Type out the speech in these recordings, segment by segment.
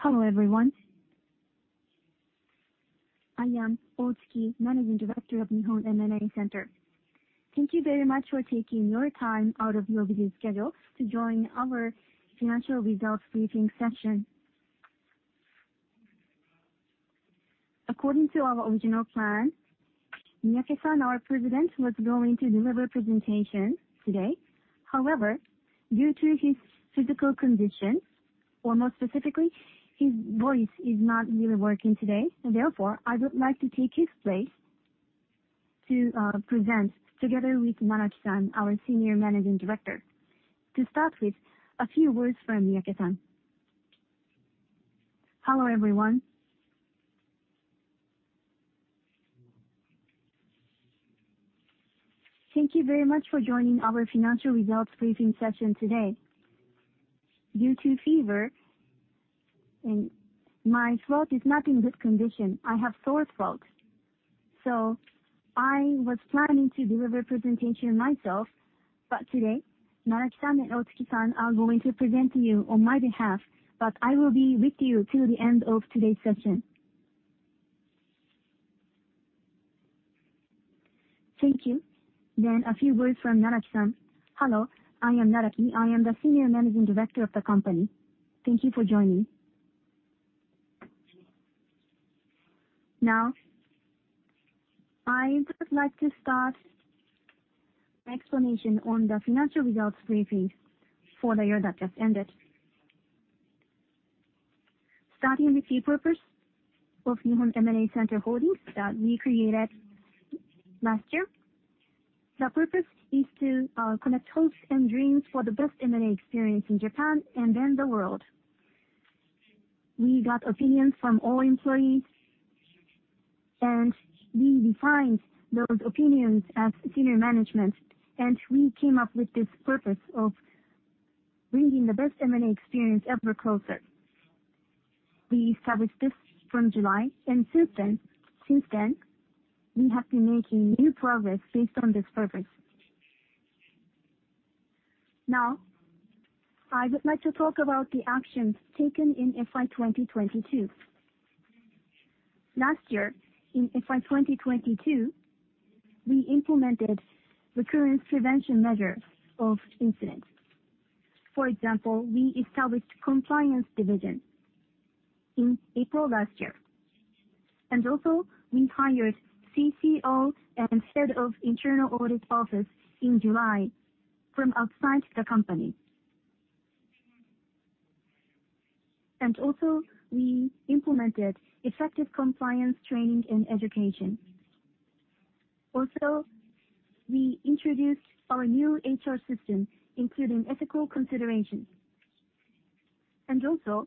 Hello, everyone. I am Otsuki, Managing Director of Nihon M&A Center. Thank you very much for taking your time out of your busy schedule to join our financial results briefing session. According to our original plan, Miyake-san, our President, was going to deliver presentation today. However, due to his physical condition, or more specifically, his voice is not really working today. Therefore, I would like to take his place to present together with Naraki-san, our Senior Managing Director. To start with, a few words from Miyake-san. Hello, everyone. Thank you very much for joining our financial results briefing session today. Due to fever and my throat is not in good condition. I have sore throat. I was planning to deliver presentation myself, but today, Naraki-san and Otsuki-san are going to present to you on my behalf, but I will be with you till the end of today's session. Thank you. A few words from Naraki-san. Hello, I am Naraki. I am the Senior Managing Director of the company. Thank you for joining. I would like to start explanation on the financial results briefing for the year that just ended. Starting with the purpose of Nihon M&A Center Holdings that we created last year. The purpose is to connect hopes and dreams for the best M&A experience in Japan and then the world. We got opinions from all employees, and we defined those opinions as senior management, and we came up with this purpose of bringing the best M&A experience ever closer. We established this from July. Since then, we have been making new progress based on this purpose. Now, I would like to talk about the actions taken in FY 2022. Last year in FY 2022, we implemented recurrence prevention measure of incidents. For example, we established compliance division in April last year. Also, we hired CCO and head of internal audit office in July from outside the company. Also, we implemented effective compliance training and education. Also, we introduced our new HR system, including ethical considerations. Also,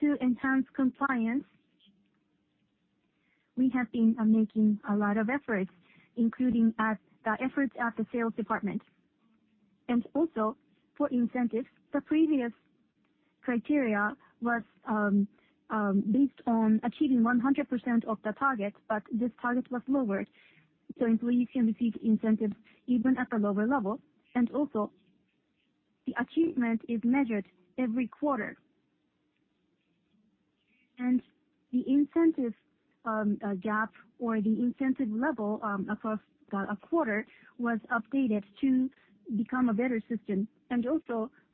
to enhance compliance, we have been making a lot of efforts, including at the efforts at the sales department. Also for incentives, the previous criteria was based on achieving 100% of the target, but this target was lowered, so employees can receive incentives even at a lower level. The achievement is measured every quarter. The incentive gap or the incentive level across the quarter was updated to become a better system.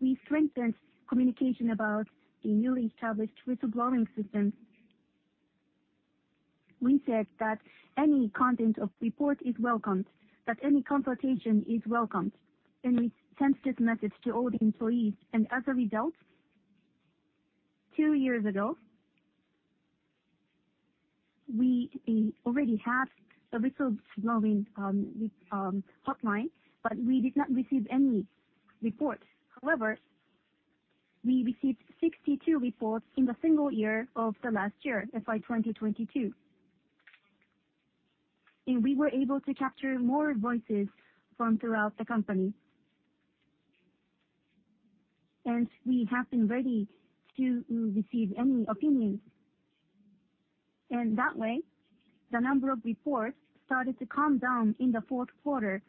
We strengthened communication about the newly established whistleblowing system. We said that any content of report is welcomed, that any consultation is welcomed, and we sent this message to all the employees. As a result, two years ago, we already had a whistleblowing hotline, but we did not receive any reports. However, we received 62 reports in the single year of the last year, FY 2022. We were able to capture more voices from throughout the company. We have been ready to receive any opinions. That way, the number of reports started to come down in the fourth quarter,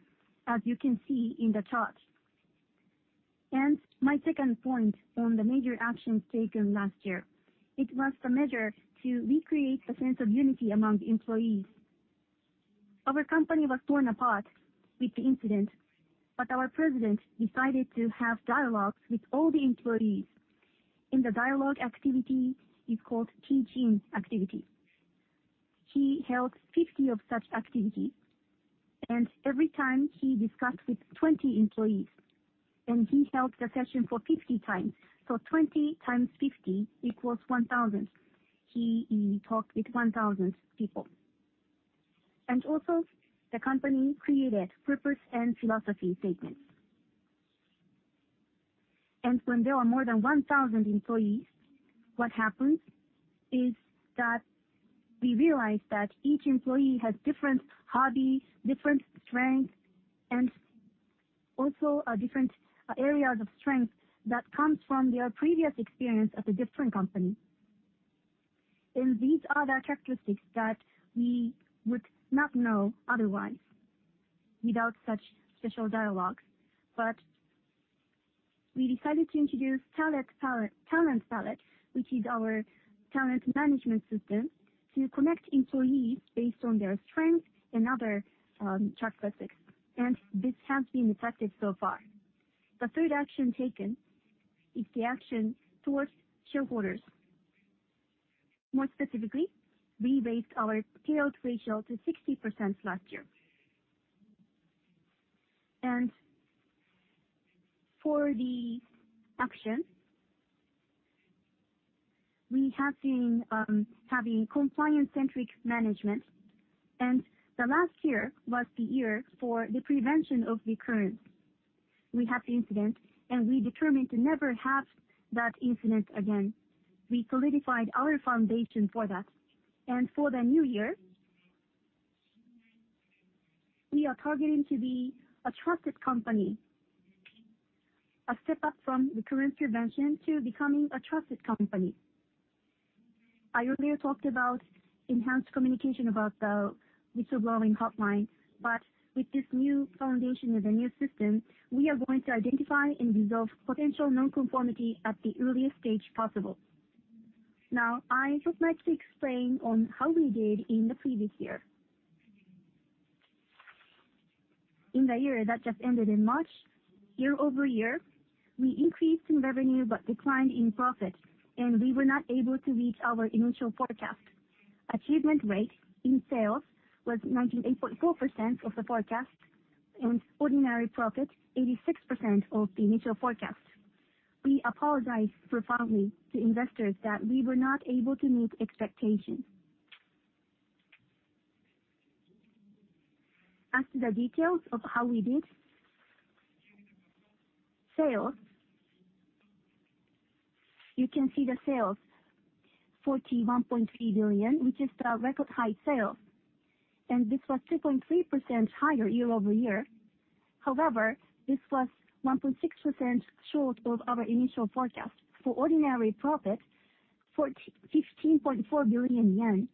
as you can see in the chart. My second point on the major actions taken last year, it was the measure to recreate the sense of unity among the employees. Our company was torn apart with the incident. Our president decided to have dialogues with all the employees. The dialogue activity is called Kijin activity. He held 50 of such activity. Every time he discussed with 20 employees, he held the session for 50 times. 20 times 50 equals 1,000. He talked with 1,000 people. Also the company created purpose and philosophy statements. When there are more than 1,000 employees, what happens is that we realize that each employee has different hobbies, different strengths, and also different areas of strength that comes from their previous experience at a different company. These are the characteristics that we would not know otherwise without such special dialogues. We decided to introduce Talent Palette, which is our talent management system, to connect employees based on their strengths and other characteristics, and this has been effective so far. The third action taken is the action towards shareholders. More specifically, we raised our payout ratio to 60% last year. For the action, we have been having compliance-centric management. The last year was the year for the prevention of recurrence. We had the incident, and we determined to never have that incident again. We solidified our foundation for that. For the new year, we are targeting to be a trusted company, a step up from recurrence prevention to becoming a trusted company. I earlier talked about enhanced communication about the whistleblower hotline. With this new foundation and the new system, we are going to identify and resolve potential nonconformity at the earliest stage possible. I would like to explain on how we did in the previous year. In the year that just ended in March, year-over-year, we increased in revenue but declined in profit, and we were not able to reach our initial forecast. Achievement rate in sales was 98.4% of the forecast, and ordinary profit, 86% of the initial forecast. We apologize profoundly to investors that we were not able to meet expectations. As to the details of how we did. Sales. You can see the sales, 41.3 billion, which is the record high sales, and this was 2.3% higher year-over-year. However, this was 1.6% short of our initial forecast. For ordinary profit, 15.4 billion yen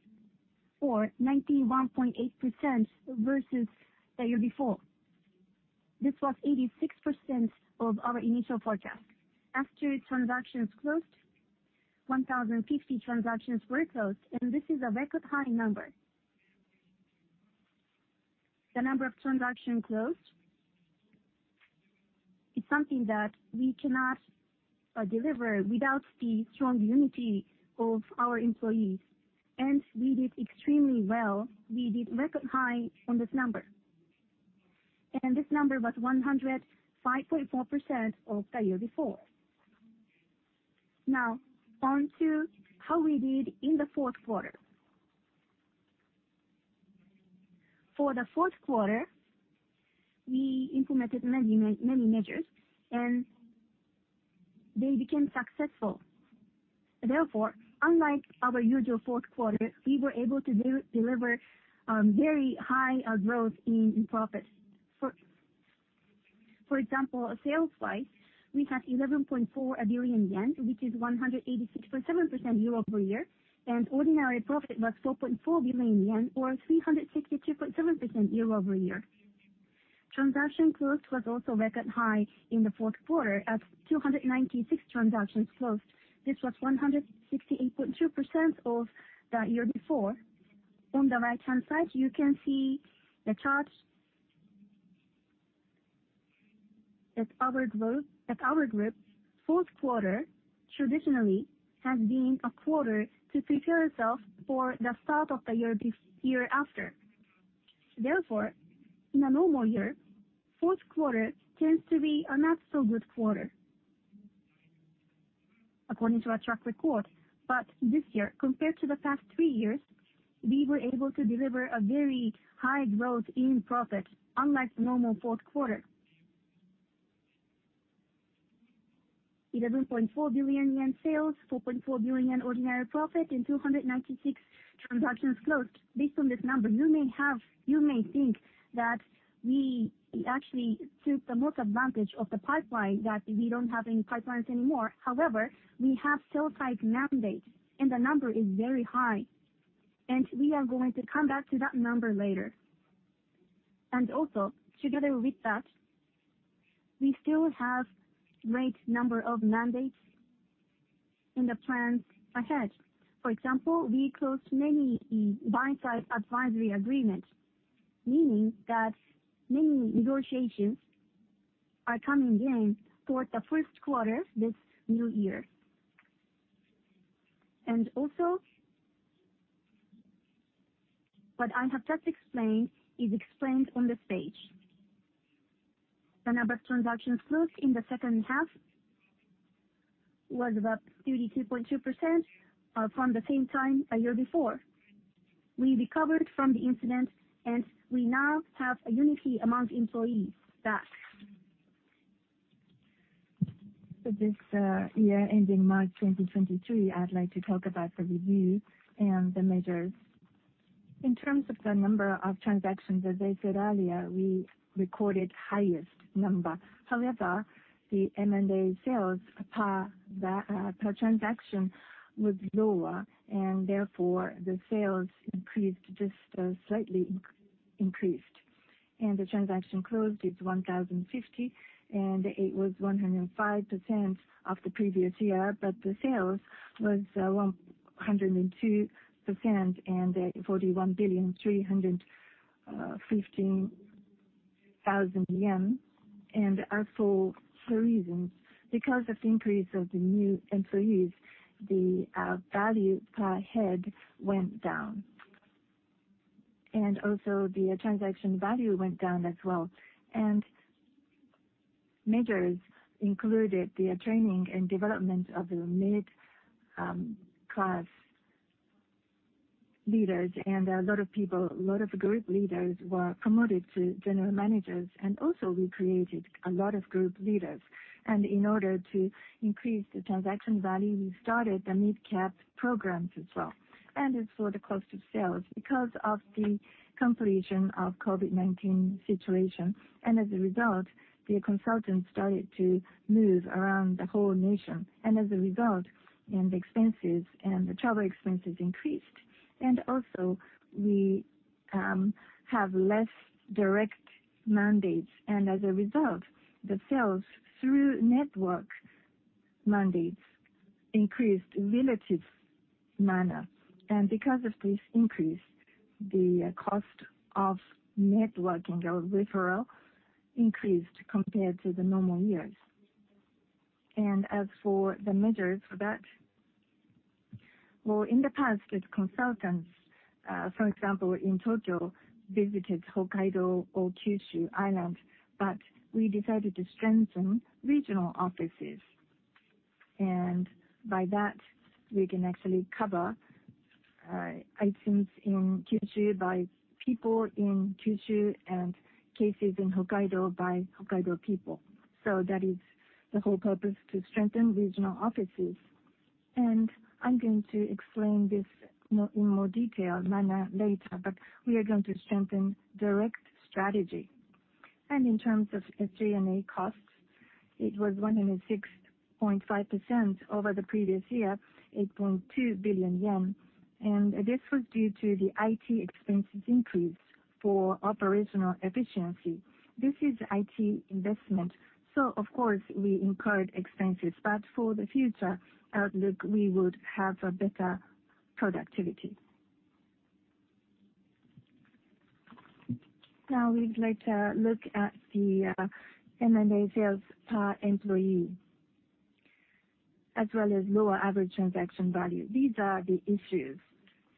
or 91.8% versus the year before. This was 86% of our initial forecast. As to transactions closed, 1,050 transactions were closed. This is a record high number. The number of transactions closed is something that we cannot deliver without the strong unity of our employees. We did extremely well. We did record high on this number. This number was 105.4% of the year before. Now on to how we did in the fourth quarter. For the fourth quarter, we implemented many measures. They became successful. Therefore, unlike our usual fourth quarter, we were able to deliver very high growth in profits. For example, sales wise, we had 11.4 billion yen, which is 186.7% year-over-year. Ordinary profit was 4.4 billion yen or 362.7% year-over-year. Transaction closed was also record high in the fourth quarter at 296 transactions closed. This was 168.2% of the year before. On the right-hand side, you can see the charts. As our group, fourth quarter traditionally has been a quarter to prepare yourself for the start of the year after. In a normal year, fourth quarter tends to be a not so good quarter according to our track record. This year, compared to the past three years, we were able to deliver a very high growth in profit unlike normal fourth quarter. 11.4 billion yen sales, 4.4 billion yen ordinary profit, and 296 transactions closed. Based on this number, you may have, you may think that we actually took the most advantage of the pipeline, that we don't have any pipelines anymore. However, we have sell-side mandates, and the number is very high, and we are going to come back to that number later. Together with that, we still have great number of mandates in the plans ahead. For example, we closed many buy-side advisory agreements, meaning that many negotiations are coming in toward the first quarter this new year. What I have just explained is explained on this page. The number of transactions closed in the second half was about 32.2% from the same time a year before. We recovered from the incident. We now have a unity among employees back. For this year ending March 2023, I'd like to talk about the review and the measures. In terms of the number of transactions, as I said earlier, we recorded highest number. However, the M&A sales per transaction was lower, and therefore the sales increased just slightly increased. The transaction closed, it's 1,050, and it was 105% of the previous year, but the sales was 102% and JPY 41 billion 315,000. As for the reason, because of the increase of the new employees, the value per head went down. Also, the transaction value went down as well. Measures included the training and development of the mid class leaders, and a lot of people, a lot of group leaders were promoted to general managers. Also we created a lot of group leaders. In order to increase the transaction value, we started the mid-cap programs as well. As for the cost of sales, because of the completion of COVID-19 situation, as a result, the consultants started to move around the whole nation. As a result, the expenses and the travel expenses increased. Also we have less direct mandates, as a result, the sales through network mandates increased relative manner. Because of this increase, the cost of networking or referral increased compared to the normal years. As for the measures for that, well, in the past, the consultants, for example, in Tokyo, visited Hokkaido or Kyushu Island, but we decided to strengthen regional offices. By that, we can actually cover items in Kyushu by people in Kyushu and cases in Hokkaido by Hokkaido people. That is the whole purpose, to strengthen regional offices. I'm going to explain this more, in more detail later, but we are going to strengthen direct strategy. In terms of SG&A costs, it was 106.5% over the previous year, 8.2 billion yen. This was due to the IT expenses increase for operational efficiency. This is IT investment, so of course, we incurred expenses, but for the future outlook, we would have a better productivity. Now we'd like to look at the M&A sales per employee, as well as lower average transaction value. These are the issues.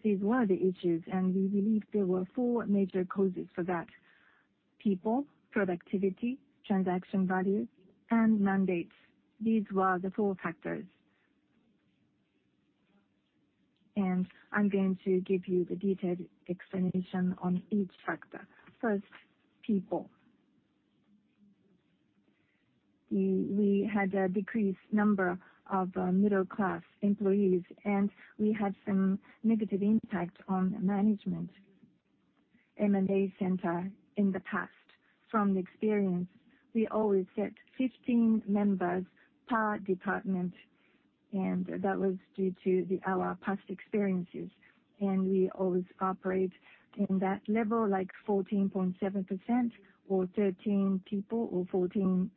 These were the issues, we believe there were four major causes for that: people, productivity, transaction value, and mandates. These were the four factors. I'm going to give you the detailed explanation on each factor. First, people. We had a decreased number of middle-class employees, and we had some negative impact on management. M&A Center in the past, from experience, we always set 15 members per department, and that was due to our past experiences. We always operate in that level, like 14.7% or 13 people or 14.7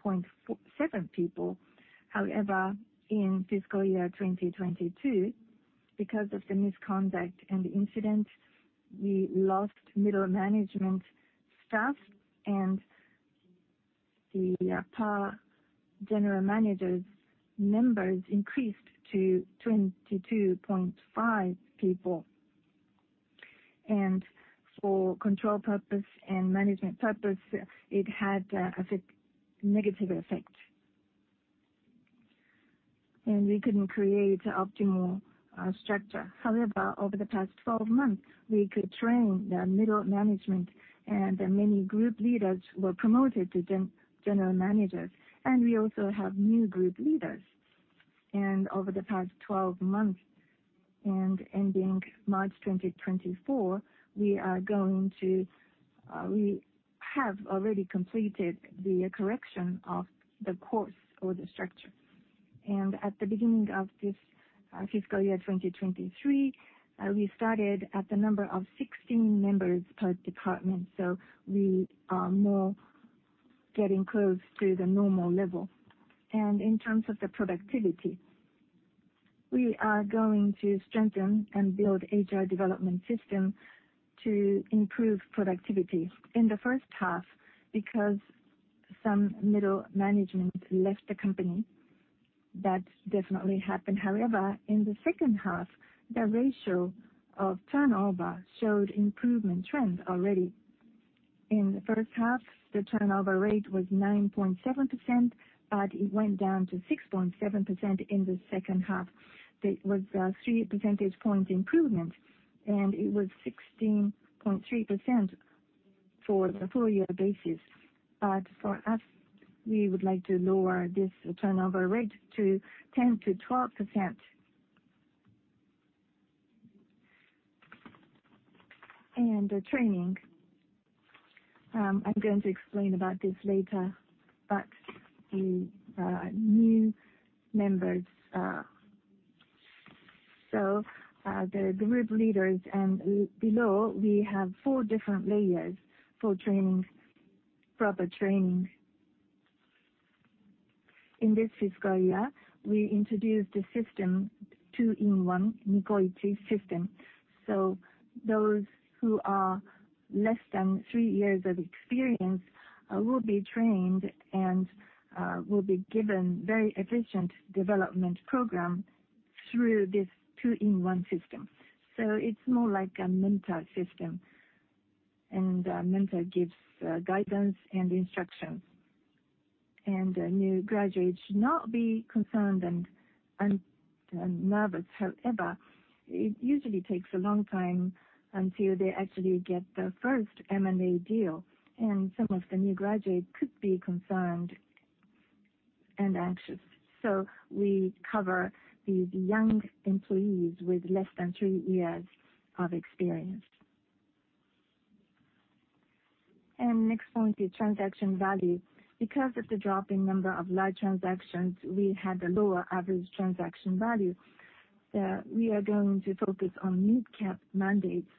people. However, in fiscal year 2022, because of the misconduct and incident, we lost middle management staff and the per general managers numbers increased to 22.5 people. For control purpose and management purpose, it had a negative effect. We couldn't create optimal structure. However, over the past 12 months, we could train the middle management and many group leaders were promoted to general managers. We also have new group leaders. Over the past 12 months and ending March 2024, we are going to, we have already completed the correction of the course or the structure. At the beginning of this fiscal year, 2023, we started at the number of 16 members per department, so we are more getting close to the normal level. In terms of the productivity, we are going to strengthen and build HR development system to improve productivity. In the first half, because some middle management left the company, that definitely happened. However, in the second half, the ratio of turnover showed improvement trend already. In the first half, the turnover rate was 9.7%, but it went down to 6.7% in the second half. That was 3 percentage points improvement, and it was 16.3% for the full year basis. For us, we would like to lower this turnover rate to 10-12%. The training, I'm going to explain about this later, but the new members. The group leaders and below, we have 4 different layers for training, proper training. In this fiscal year, we introduced a system, two-in-one, Nikoichi System. Those who are less than 3 years of experience will be trained and will be given very efficient development program through this two-in-one system. It's more like a mentor system, and a mentor gives guidance and instructions. New graduates should not be concerned and nervous. However, it usually takes a long time until they actually get the first M&A deal, and some of the new graduate could be concerned and anxious. We cover these young employees with less than 3 years of experience. Next point, the transaction value. Because of the drop in number of large transactions, we had a lower average transaction value. We are going to focus on mid-cap mandates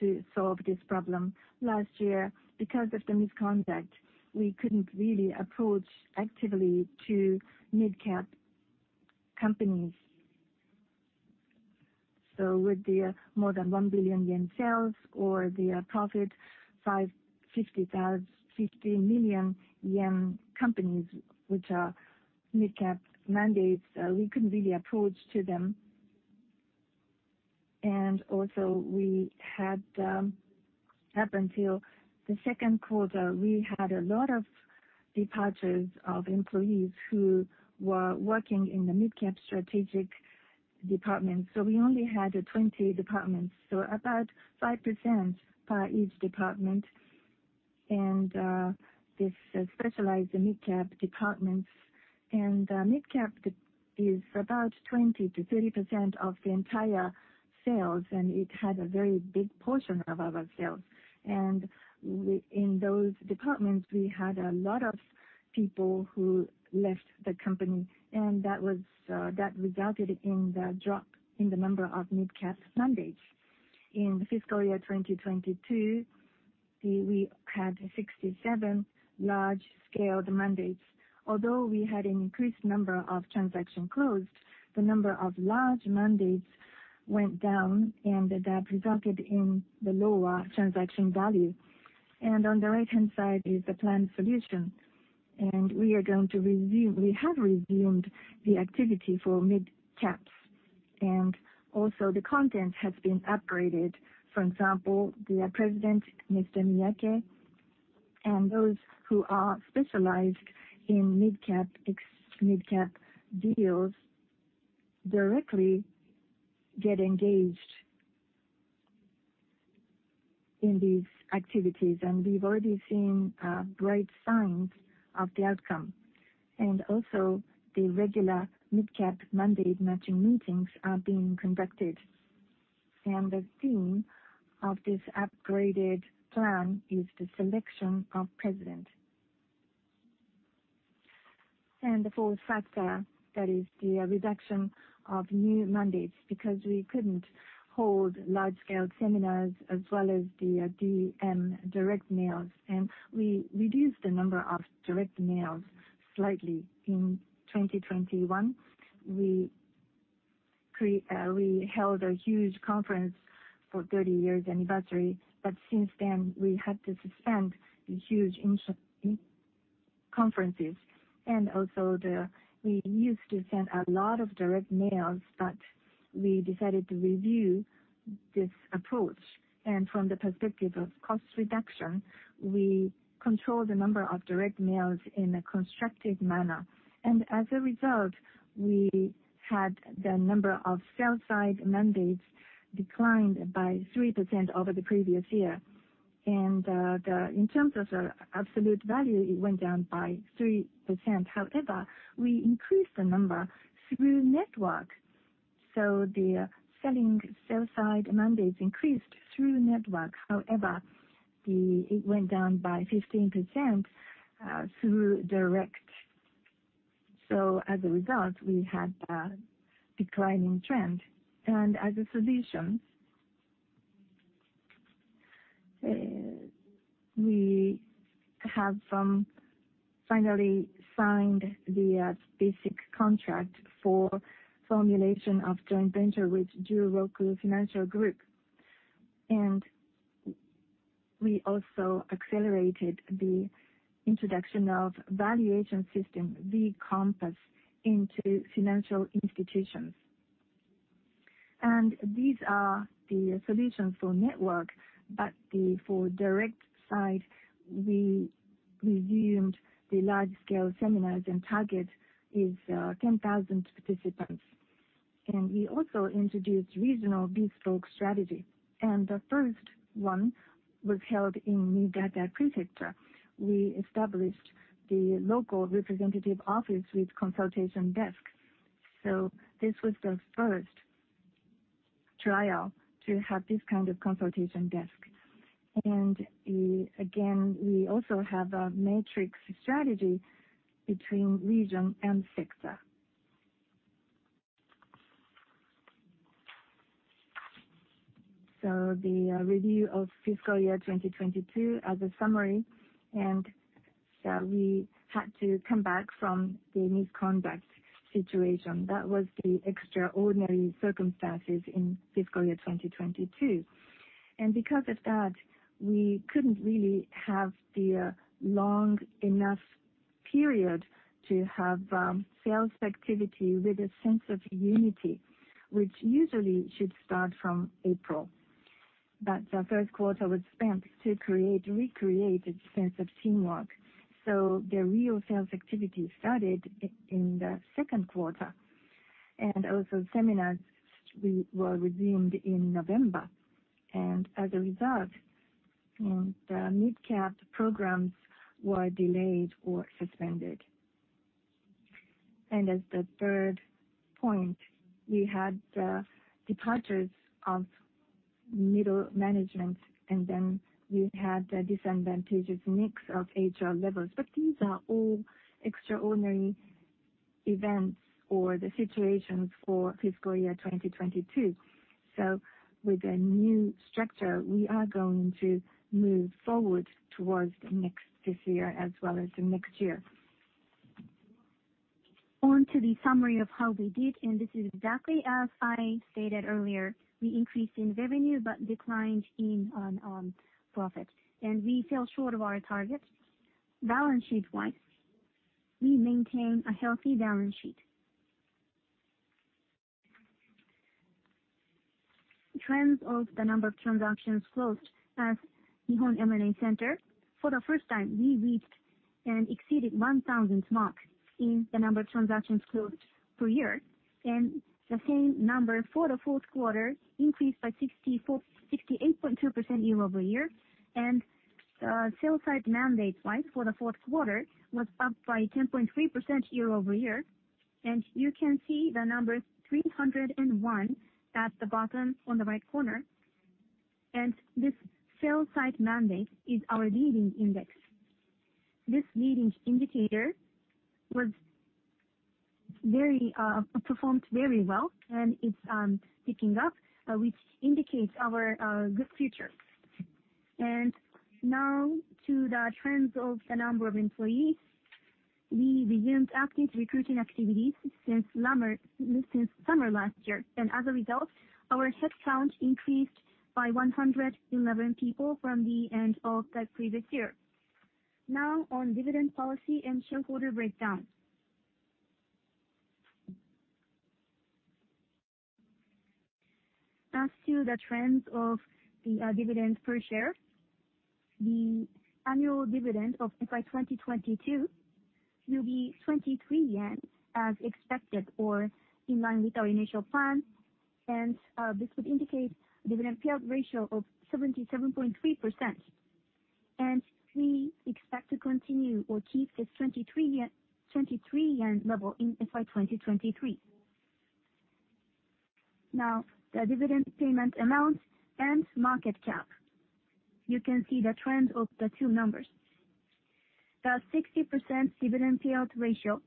to solve this problem. Last year, because of the misconduct, we couldn't really approach actively to mid-cap companies. With the more than 1 billion yen sales or the profit 50 million yen companies, which are mid-cap mandates, we couldn't really approach to them. Also we had, up until the second quarter, we had a lot of departures of employees who were working in the mid-cap strategic department. We only had 20 departments, so about 5% per each department. This specialized mid-cap departments and mid-cap is about 20-30% of the entire sales, and it had a very big portion of our sales. In those departments, we had a lot of people who left the company, and that was, that resulted in the drop in the number of mid-cap mandates. In fiscal year 2022, we had 67 large scaled mandates. Although we had an increased number of transaction closed, the number of large mandates went down, and that resulted in the lower transaction value. On the right-hand side is the planned solution. We are going to resume, we have resumed the activity for mid-caps. Also the content has been upgraded. For example, the president, Mr. Miyake, and those who are specialized in mid-cap deals directly get engaged in these activities, and we've already seen bright signs of the outcome. Also the regular mid-cap mandate matching meetings are being conducted. The theme of this upgraded plan is the selection of president. The fourth factor, that is the reduction of new mandates because we couldn't hold large-scale seminars as well as the DM, direct mails. We reduced the number of direct mails slightly in 2021. We held a huge conference for 30-year anniversary, but since then we had to suspend the huge conferences. We used to send a lot of direct mails, but we decided to review this approach. From the perspective of cost reduction, we controlled the number of direct mails in a constructive manner. As a result, we had the number of sell-side mandates declined by 3% over the previous year. In terms of absolute value, it went down by 3%. We increased the number through network. The selling sell-side mandates increased through network. It went down by 15% through direct. As a result, we had a declining trend. As a solution, we have finally signed the basic contract for formulation of joint venture with The Juroku Financial Group. We also accelerated the introduction of valuation system, B-Compass, into financial institutions. These are the solutions for network, but the, for direct side, we resumed the large scale seminars and target is 10,000 participants. We also introduced regional bespoke strategy. The first one was held in Niigata Prefecture. We established the local representative office with consultation desk. This was the first trial to have this kind of consultation desk. Again, we also have a matrix strategy between region and sector. The review of fiscal year 2022 as a summary, we had to come back from the mid-cap situation. That was the extraordinary circumstances in fiscal year 2022. Because of that, we couldn't really have the long enough period to have sales activity with a sense of unity, which usually should start from April. The first quarter was spent to create, recreate a sense of teamwork. The real sales activity started in the second quarter. Also seminars were resumed in November. As a result, the mid-cap programs were delayed or suspended. As the third point, we had departures of middle management, we had a disadvantageous mix of HR levels. These are all extraordinary events or the situations for fiscal year 2022. With a new structure, we are going to move forward towards next fiscal year as well as the next year. On to the summary of how we did, this is exactly as I stated earlier, we increased in revenue but declined in profit, and we fell short of our target. Balance sheet-wise, we maintain a healthy balance sheet. Trends of the number of transactions closed at Nihon M&A Center. For the first time, we reached and exceeded 1,000 mark in the number of transactions closed per year, the same number for the fourth quarter increased by 68.2% year-over-year. Sell-side mandate, right, for the fourth quarter was up by 10.3% year-over-year. You can see the number 301 at the bottom on the right corner. This sell-side mandate is our leading index. This leading indicator was very performed very well, and it's picking up, which indicates our good future. Now to the trends of the number of employees. We resumed active recruiting activities since summer last year, and as a result, our headcount increased by 111 people from the end of the previous year. Now on dividend policy and shareholder breakdown. As to the trends of the dividends per share, the annual dividend of FY 2022 will be 23 yen as expected or in line with our initial plan. This would indicate dividend payout ratio of 77.3%. We expect to continue or keep this 23 yen level in FY 2023. The dividend payment amount and market cap. You can see the trend of the two numbers. The 60% dividend payout ratio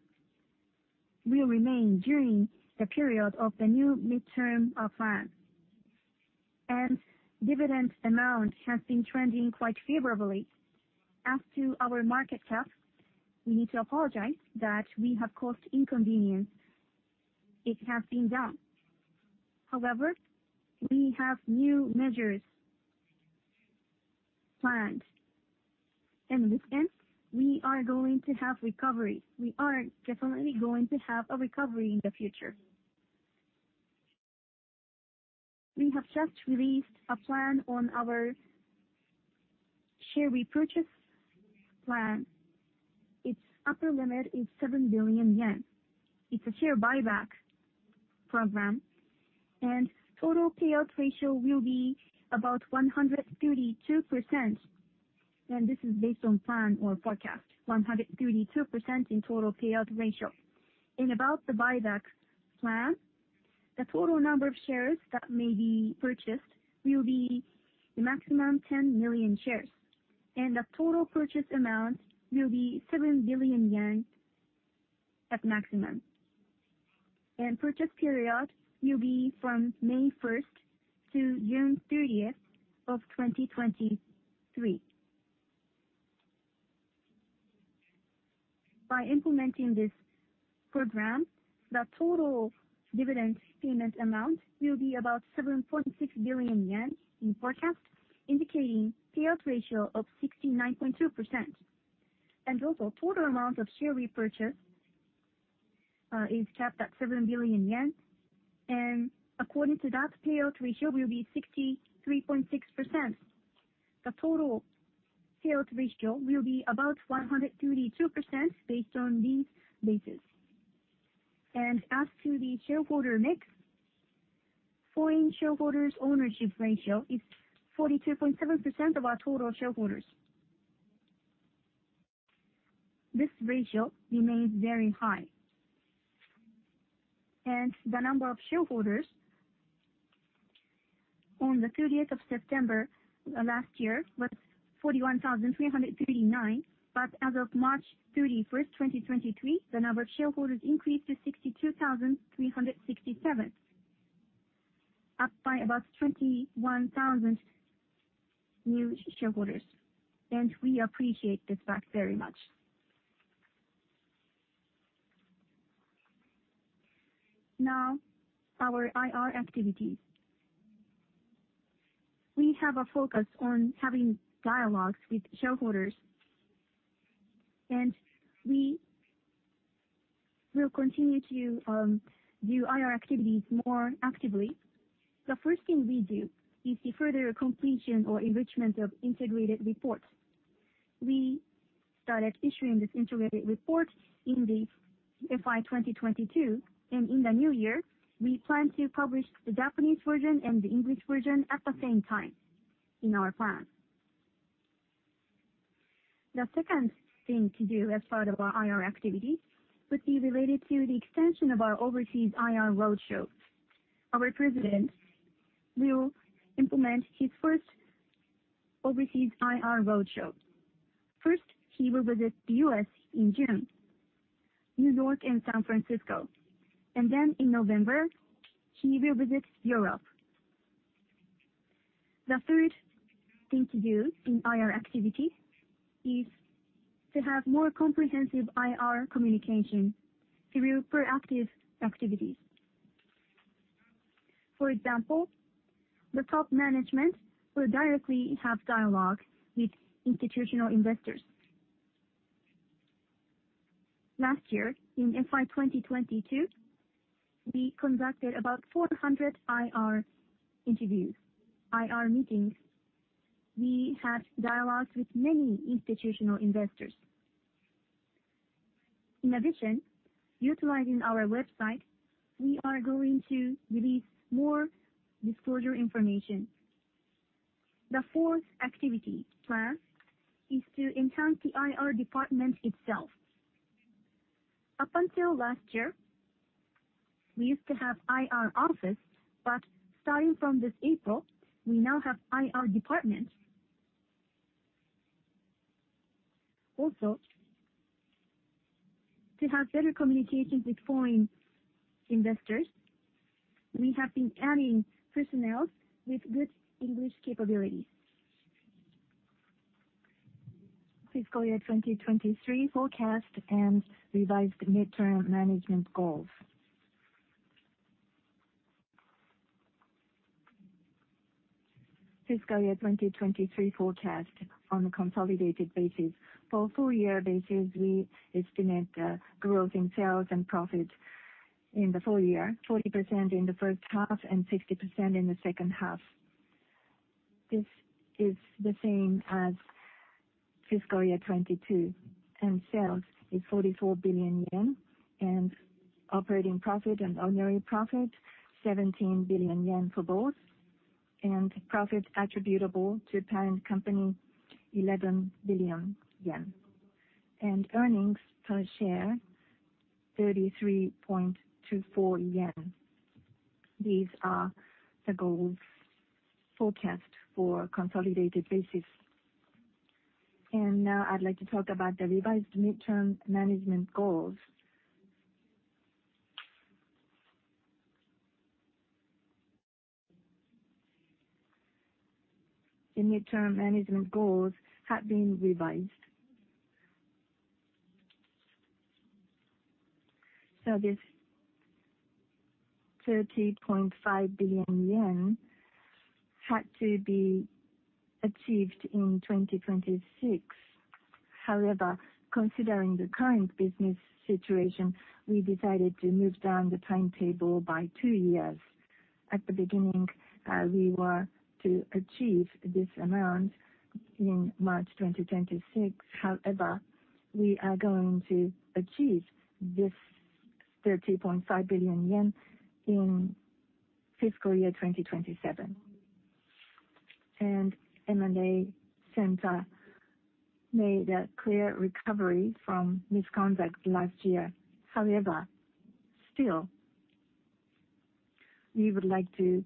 will remain during the period of the new midterm plan. Dividend amount has been trending quite favorably. As to our market cap, we need to apologize that we have caused inconvenience. It has been down. However, we have new measures planned. In this end, we are going to have recovery. We are definitely going to have a recovery in the future. We have just released a plan on our share repurchase plan. Its upper limit is 7 billion yen. It's a share buyback program. Total payout ratio will be about 132%. This is based on plan or forecast, 132% in total payout ratio. About the buyback plan, the total number of shares that may be purchased will be a maximum 10 million shares, and the total purchase amount will be 7 billion yen at maximum. Purchase period will be from May 1st to June 30th of 2023. By implementing this program, the total dividend payment amount will be about 7.6 billion yen in forecast, indicating payout ratio of 69.2%. Total amount of share repurchase is capped at 7 billion yen. According to that, payout ratio will be 63.6%. The total payout ratio will be about 132% based on these bases. As to the shareholder mix, foreign shareholders ownership ratio is 42.7% of our total shareholders. This ratio remains very high. The number of shareholders on September 30 last year was 41,339. As of March 31, 2023, the number of shareholders increased to 62,367, up by about 21,000 new shareholders. We appreciate this fact very much. Now our IR activities. We have a focus on having dialogues with shareholders, and we will continue to do IR activities more actively. The first thing we do is the further completion or enrichment of integrated reports. We started issuing this integrated report in the FY 2022. In the new year we plan to publish the Japanese version and the English version at the same time in our plan. The second thing to do as part of our IR activity would be related to the extension of our overseas IR roadshows. Our president will implement his first overseas IR roadshow. He will visit the U.S. in June, New York and San Francisco. In November, he will visit Europe. The third thing to do in IR activity is to have more comprehensive IR communication through proactive activities. For example, the top management will directly have dialogue with institutional investors. Last year, in FY 2022, we conducted about 400 IR interviews, IR meetings. We had dialogues with many institutional investors. Utilizing our website, we are going to release more disclosure information. The fourth activity plan is to enhance the IR department itself. Up until last year, we used to have IR office, but starting from this April, we now have IR department. To have better communication with foreign investors, we have been adding personnel with good English capabilities. Fiscal year 2023 forecast and revised midterm management goals. Fiscal year 2023 forecast on a consolidated basis. For full year basis, we estimate growth in sales and profit in the full year, 40% in the first half and 60% in the second half. This is the same as fiscal year 2022. Sales is 44 billion yen. Operating profit and ordinary profit, 17 billion yen for both. Profit attributable to parent company, 11 billion yen. Earnings per share, 33.24 yen. These are the goals forecast for consolidated basis. Now I'd like to talk about the revised midterm management goals. The midterm management goals have been revised. This 30.5 billion yen had to be achieved in 2026. However, considering the current business situation, we decided to move down the timetable by 2 years. At the beginning, we were to achieve this amount in March 2026. However, we are going to achieve this 30.5 billion yen in fiscal year 2027. Nihon M&A Center made a clear recovery from misconduct last year. However, still we would like to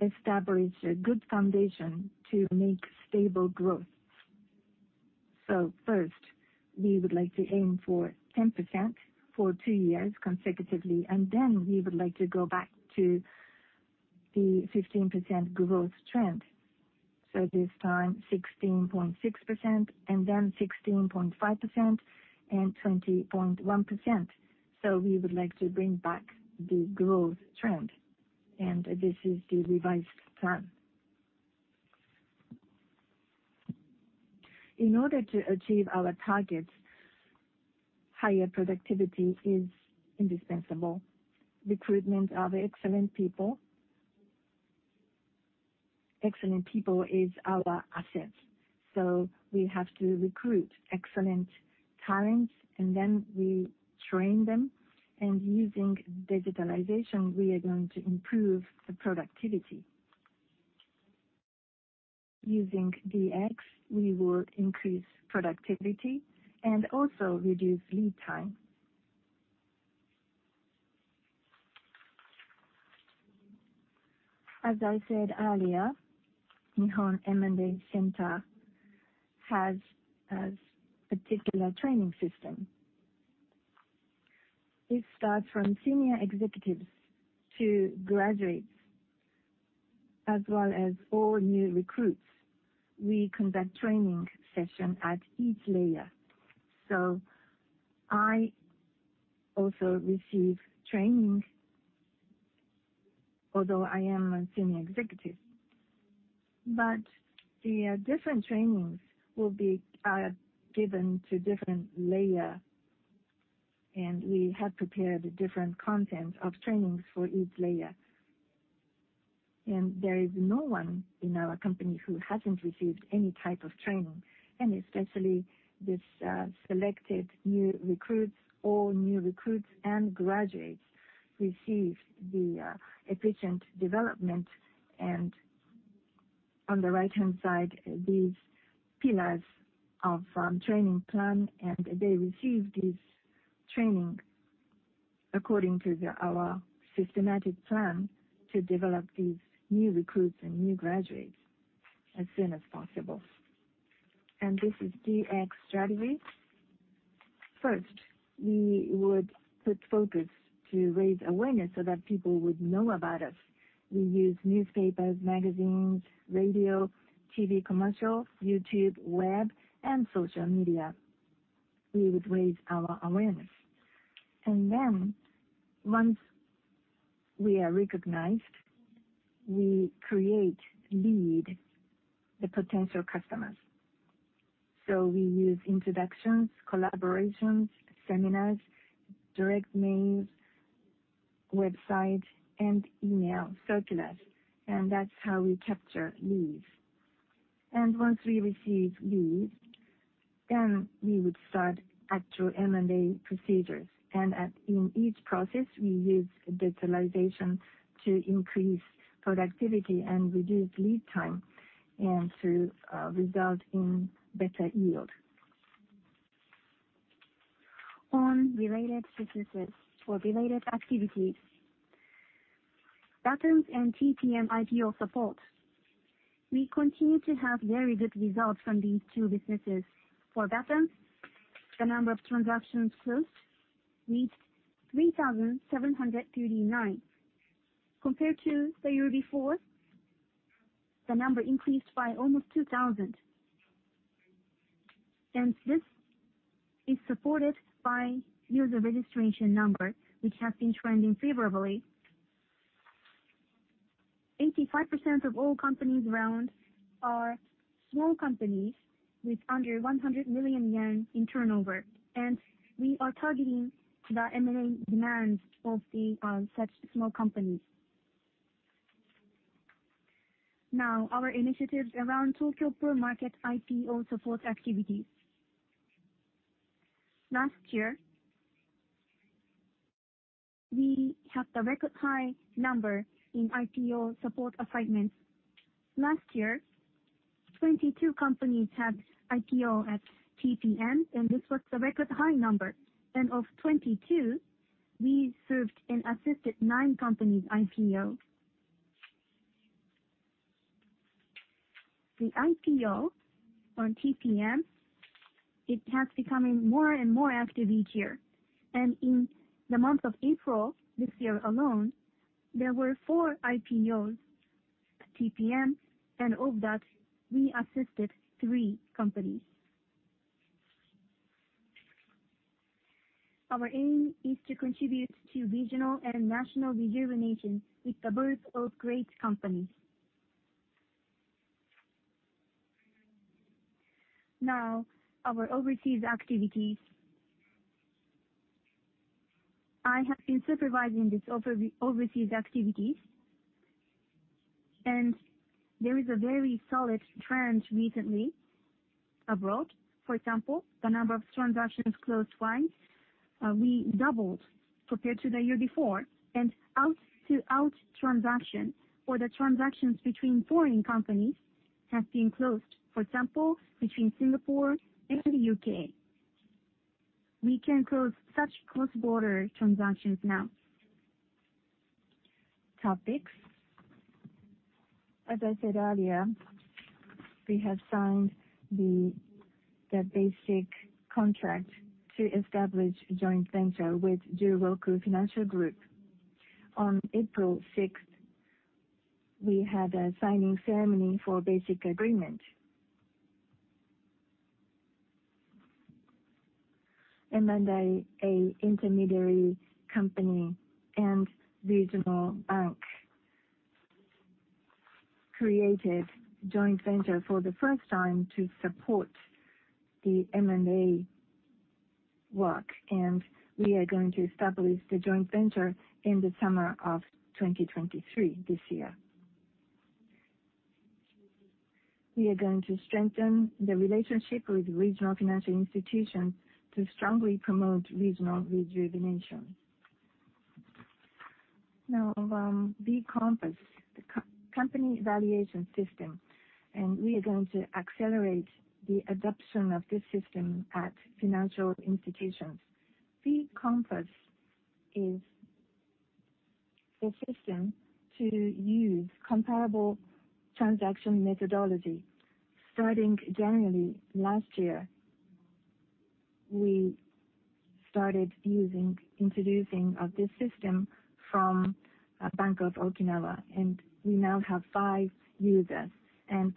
establish a good foundation to make stable growth. First, we would like to aim for 10% for 2 years consecutively, and then we would like to go back to the 15% growth trend. This time 16.6% and then 16.5% and 20.1%. We would like to bring back the growth trend. This is the revised plan. In order to achieve our targets, higher productivity is indispensable. Recruitment of excellent people. Excellent people is our asset, so we have to recruit excellent talents, and then we train them, and using digitalization, we are going to improve the productivity. Using DX, we will increase productivity and also reduce lead time. As I said earlier, Nihon M&A Center has a particular training system. It starts from senior executives to graduates as well as all new recruits. We conduct training session at each layer. I also receive training, although I am a senior executive. The different trainings will be given to different layer, and we have prepared different content of trainings for each layer. There is no one in our company who hasn't received any type of training, and especially this selected new recruits or new recruits and graduates receive the efficient development. On the right-hand side, these pillars of training plan, and they receive this training according to our systematic plan to develop these new recruits and new graduates as soon as possible. This is DX strategy. First, we would put focus to raise awareness so that people would know about us. We use newspapers, magazines, radio, TV commercial, YouTube, web and social media. We would raise our awareness. Once we are recognized, we create lead, the potential customers. We use introductions, collaborations, seminars, direct mails, website and email circulars, and that's how we capture leads. Once we receive leads, then we would start actual M&A procedures. In each process, we use digitalization to increase productivity and reduce lead time and to result in better yield. On related businesses or related activities, BATONZ and TPM IPO support. We continue to have very good results from these two businesses. For BATONZ, the number of transactions closed reached 3,739. Compared to the year before, the number increased by almost 2,000. This is supported by user registration number, which has been trending favorably. 85% of all companies around are small companies with under 100 million yen in turnover, and we are targeting the M&A demands of such small companies. Now, our initiatives around Tokyo Pro Market IPO support activities. Last year, we have the record high number in IPO support assignments. Last year, 22 companies had IPO at TPM, this was the record high number. Of 22, we served and assisted 9 companies' IPO. The IPO on TPM, it has becoming more and more active each year. In the month of April, this year alone, there were four IPOs at TPM, and of that, we assisted three companies. Our aim is to contribute to regional and national rejuvenation with the birth of great companies. Now, our overseas activities. I have been supervising these overseas activities, and there is a very solid trend recently abroad. For example, the number of transactions closed by, we doubled compared to the year before. Out to out transaction or the transactions between foreign companies have been closed, for example, between Singapore and the U.K. We can close such cross-border transactions now. Topics. As I said earlier, we have signed the basic contract to establish a joint venture with The Juroku Financial Group. On April 6th, we had a signing ceremony for basic agreement. Monday, an intermediary company and regional bank created joint venture for the first time to support the M&A work, and we are going to establish the joint venture in the summer of 2023, this year. We are going to strengthen the relationship with regional financial institutions to strongly promote regional rejuvenation. Now, B-Compass, the company valuation system. We are going to accelerate the adoption of this system at financial institutions. B-Compass is the system to use comparable transaction methodology. Starting January last year, we started using, introducing of this system from a Bank of Okinawa. We now have five users.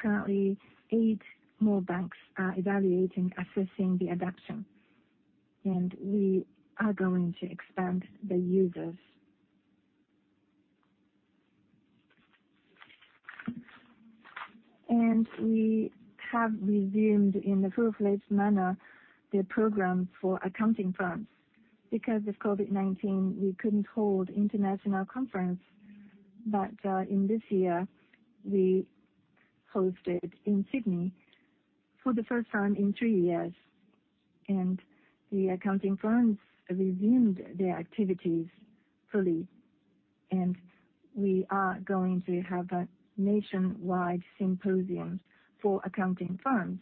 Currently, eight more banks are evaluating, assessing the adoption. We are going to expand the users. We have resumed in a full-fledged manner the program for accounting firms. Because of COVID-19, we couldn't hold international conference, but in this year, we hosted in Sydney for the first time in three years, and the accounting firms resumed their activities fully. We are going to have a nationwide symposium for accounting firms.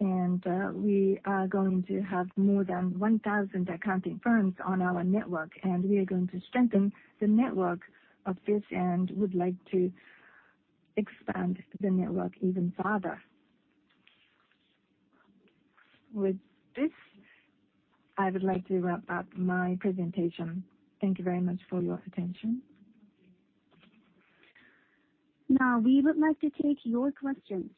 We are going to have more than 1,000 accounting firms on our network, and we are going to strengthen the network of this and would like to expand the network even further. With this, I would like to wrap up my presentation. Thank you very much for your attention. Now, we would like to take your questions.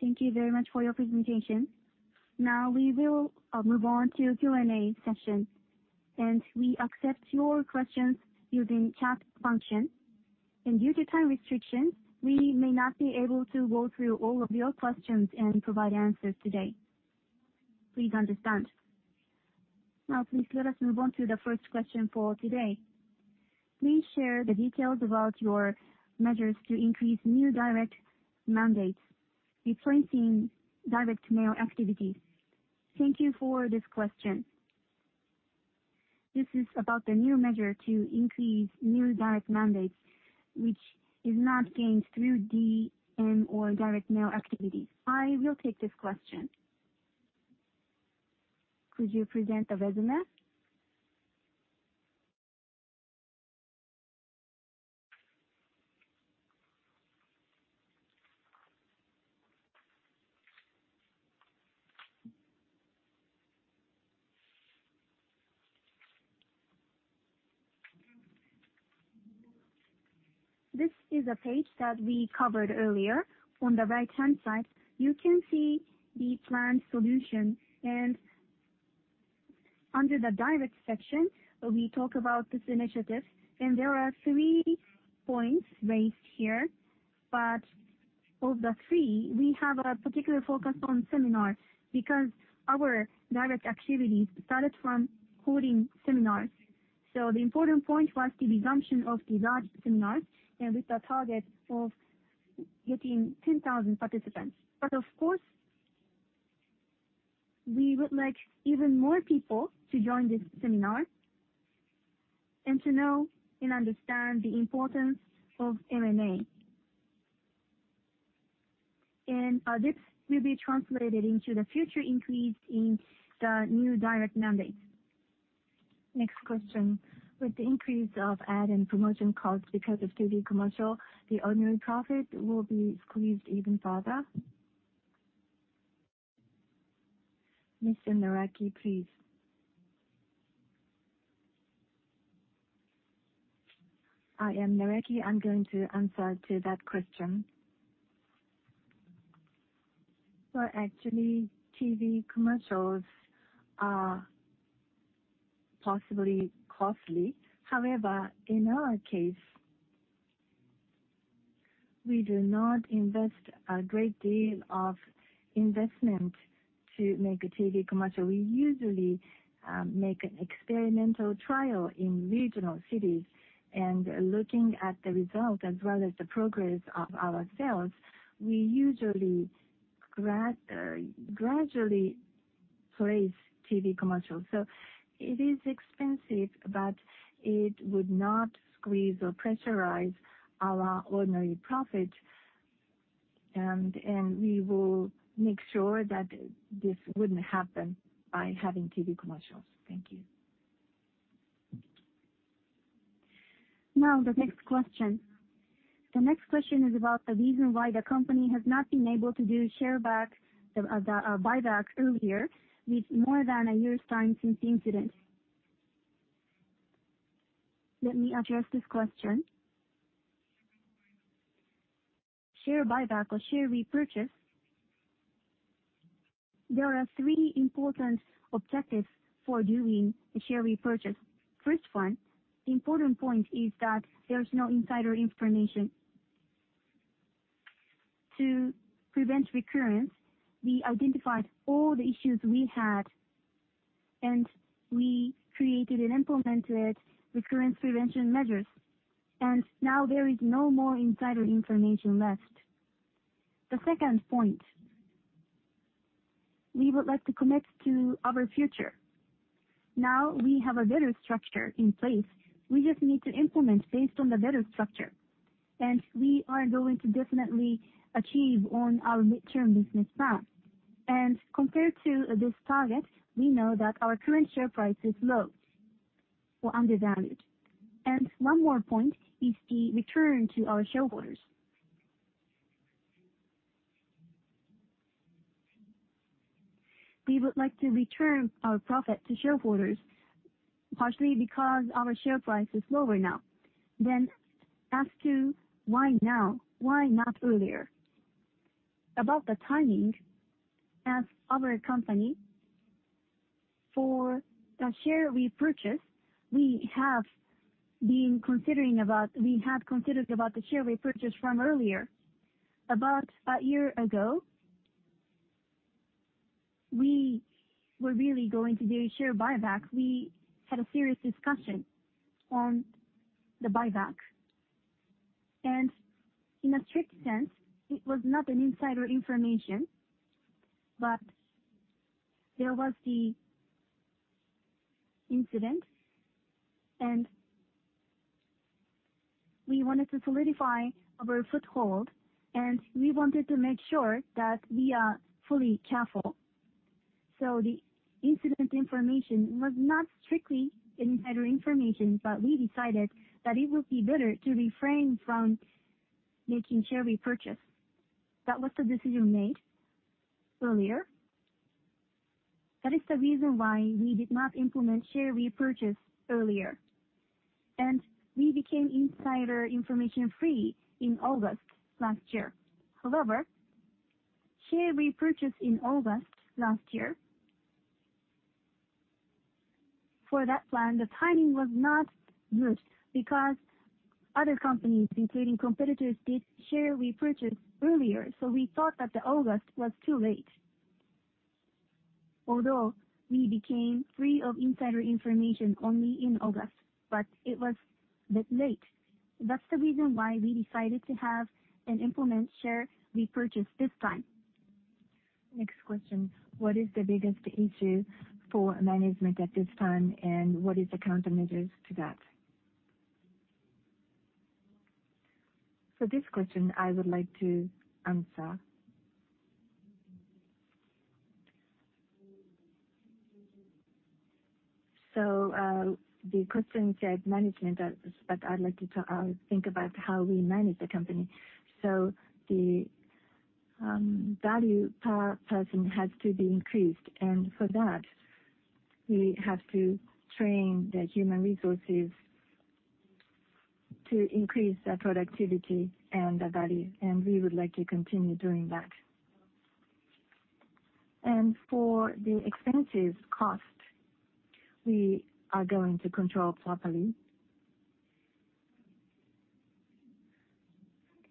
Thank you very much for your presentation. Now we will move on to Q&A session. We accept your questions using chat function. Due to time restrictions, we may not be able to go through all of your questions and provide answers today. Please understand. Now, please let us move on to the first question for today. Please share the details about your measures to increase new direct mandates replacing direct mail activities. Thank you for this question. This is about the new measure to increase new direct mandates, which is not gained through DM or direct mail activities. I will take this question. Could you present the resume? This is a page that we covered earlier. On the right-hand side, you can see the planned solution. Under the direct section, we talk about this initiative, and there are three points raised here. Of the three, we have a particular focus on seminar because our direct activities started from holding seminars. The important point was the resumption of the large seminars and with the target of getting 10,000 participants. Of course, we would like even more people to join this seminar and to know and understand the importance of M&A. This will be translated into the future increase in the new direct mandate. Next question. With the increase of ad and promotion costs because of TV commercial, the ordinary profit will be squeezed even further? Mr. Naraki, please. I am Naraki. I'm going to answer to that question. Actually, TV commercials are possibly costly. However, in our case, we do not invest a great deal of investment to make a TV commercial. We usually make an experimental trial in regional cities. Looking at the result as well as the progress ourselves, we usually gradually place TV commercials. It is expensive, but it would not squeeze or pressurize our ordinary profit. We will make sure that this wouldn't happen by having TV commercials. Thank you. The next question. The next question is about the reason why the company has not been able to do buyback earlier with more than a year's time since the incident. Let me address this question. Share buyback or share repurchase. There are three important objectives for doing a share repurchase. First one, the important point is that there's no insider information. To prevent recurrence, we identified all the issues we had, and we created and implemented recurrence prevention measures. Now there is no more insider information left. The second point, we would like to commit to our future. Now we have a better structure in place. We just need to implement based on the better structure. We are going to definitely achieve on our midterm business now. Compared to this target, we know that our current share price is low or undervalued. One more point is the return to our shareholders. We would like to return our profit to shareholders, partially because our share price is lower now. As to why now, why not earlier? About the timing, as our company, for the share repurchase, we had considered about the share repurchase from earlier. About a year ago, we were really going to do a share buyback. We had a serious discussion on the buyback. In a strict sense, it was not an an insider information, but there was the incident, and we wanted to solidify our foothold, and we wanted to make sure that we are fully careful. The incident information was not strictly an insider information, but we decided that it would be better to refrain from making share repurchase. That was the decision made earlier. That is the reason why we did not implement share repurchase earlier. We became insider information free in August last year. Share repurchase in August last year, for that plan, the timing was not good because other companies, including competitors, did share repurchase earlier. We thought that August was too late. Although we became free of insider information only in August, but it was a bit late. That's the reason why we decided to have and implement share repurchase this time. Next question. What is the biggest issue for management at this time, and what is the countermeasures to that? For this question, I would like to answer. The question said management, but I'd like to think about how we manage the company. The value per person has to be increased, and for that, we have to train the human resources to increase the productivity and the value, and we would like to continue doing that. For the expenses cost, we are going to control properly.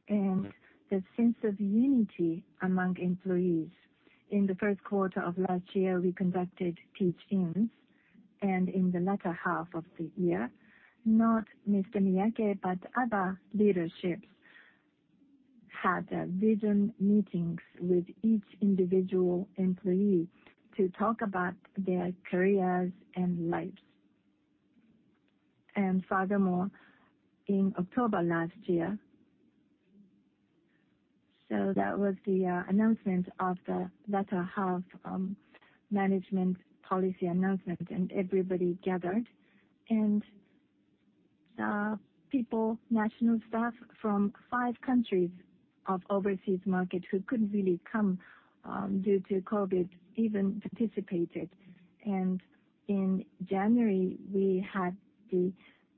The sense of unity among employees. In the first quarter of last year, we conducted teach-ins, and in the latter half of the year, not Mr. Miyake, but other leaderships had vision meetings with each individual employee to talk about their careers and lives. Furthermore, in October last year, so that was the announcement of the latter half management policy announcement, and everybody gathered. People, national staff from five countries of overseas market who couldn't really come due to COVID even participated. In January, we had the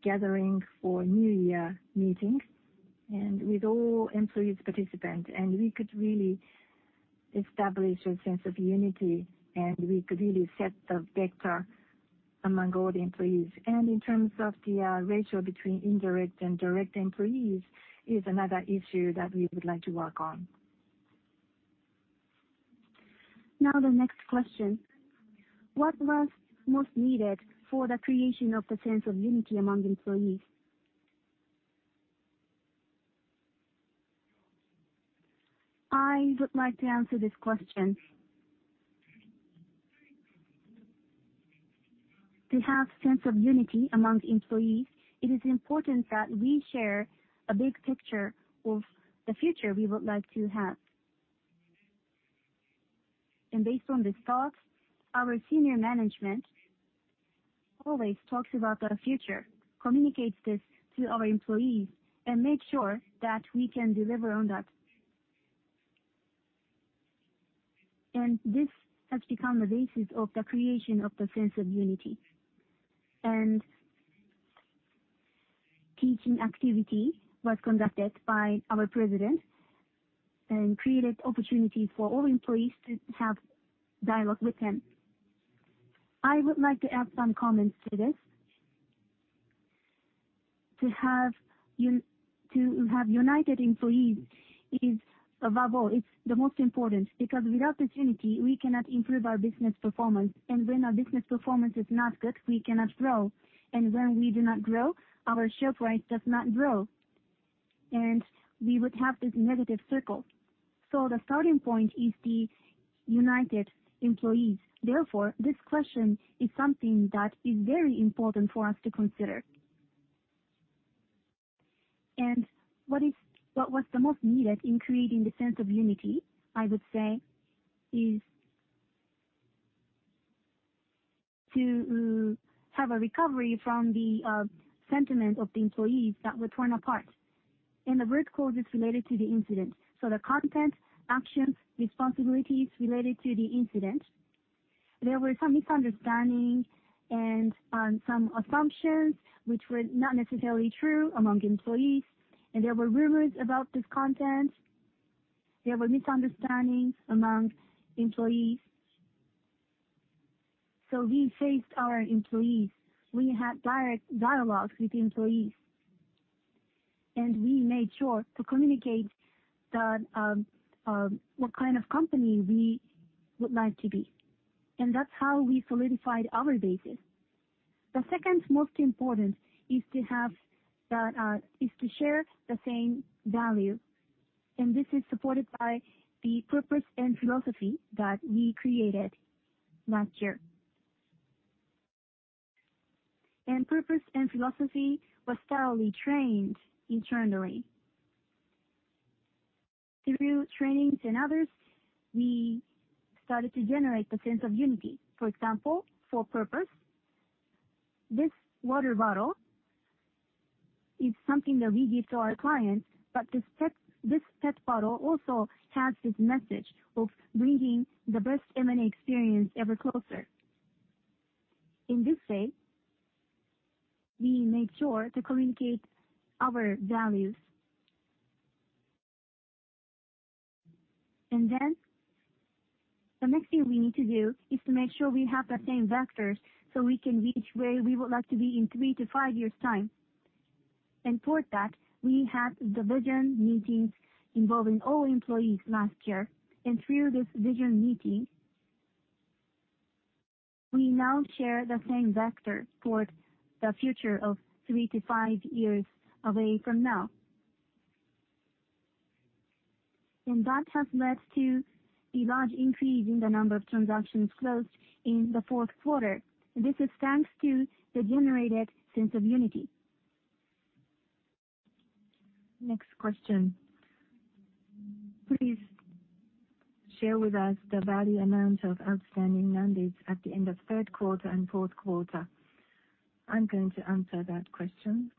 gathering for New Year meetings and with all employees participant, and we could really establish a sense of unity, and we could really set the vector among all the employees. In terms of the ratio between indirect and direct employees is another issue that we would like to work on. The next question. What was most needed for the creation of the sense of unity among employees? I would like to answer this question. To have sense of unity among employees, it is important that we share a big picture of the future we would like to have. Based on this thought, our senior management always talks about the future, communicates this to our employees, and make sure that we can deliver on that. This has become the basis of the creation of the sense of unity. Teaching activity was conducted by our president and created opportunity for all employees to have dialogue with him. I would like to add some comments to this. To have united employees is above all, it's the most important, because without this unity, we cannot improve our business performance. When our business performance is not good, we cannot grow. When we do not grow, our share price does not grow, and we would have this negative circle. The starting point is the united employees. Therefore, this question is something that is very important for us to consider. What was the most needed in creating the sense of unity, I would say, is to have a recovery from the sentiment of the employees that were torn apart, and the root cause is related to the incident. The content, actions, responsibilities related to the incident. There were some misunderstanding and some assumptions which were not necessarily true among employees, and there were rumors about this content. There were misunderstandings among employees. We faced our employees. We had direct dialogues with the employees, and we made sure to communicate the what kind of company we would like to be, and that's how we solidified our basis. The second most important is to share the same value, and this is supported by the purpose and philosophy that we created last year. Purpose and philosophy was thoroughly trained internally. Through trainings and others, we started to generate the sense of unity. For example, for purpose, this water bottle is something that we give to our clients, but this pet bottle also has this message of bringing the best M&A experience ever closer. In this way, we make sure to communicate our values. The next thing we need to do is to make sure we have the same vectors, so we can reach where we would like to be in 3-5 years' time. For that, we had the vision meetings involving all employees last year. Through this vision meeting, we now share the same vector towards the future of 3-5 years away from now. That has led to a large increase in the number of transactions closed in the fourth quarter. This is thanks to the generated sense of unity. Next question. Please share with us the value amount of outstanding mandates at the end of third quarter and fourth quarter. I'm going to answer that question.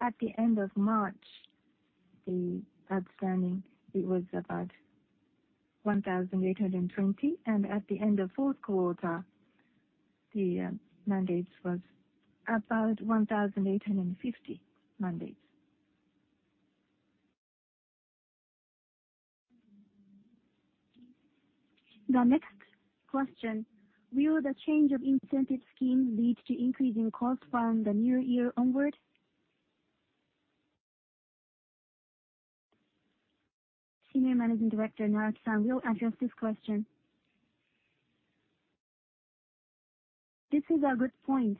At the end of March, the outstanding, it was about 1,820, and at the end of fourth quarter, the mandates was about 1,850 mandates. The next question. Will the change of incentive scheme lead to increase in cost from the new year onward? Senior Managing Director Naraki-san will address this question. This is a good point.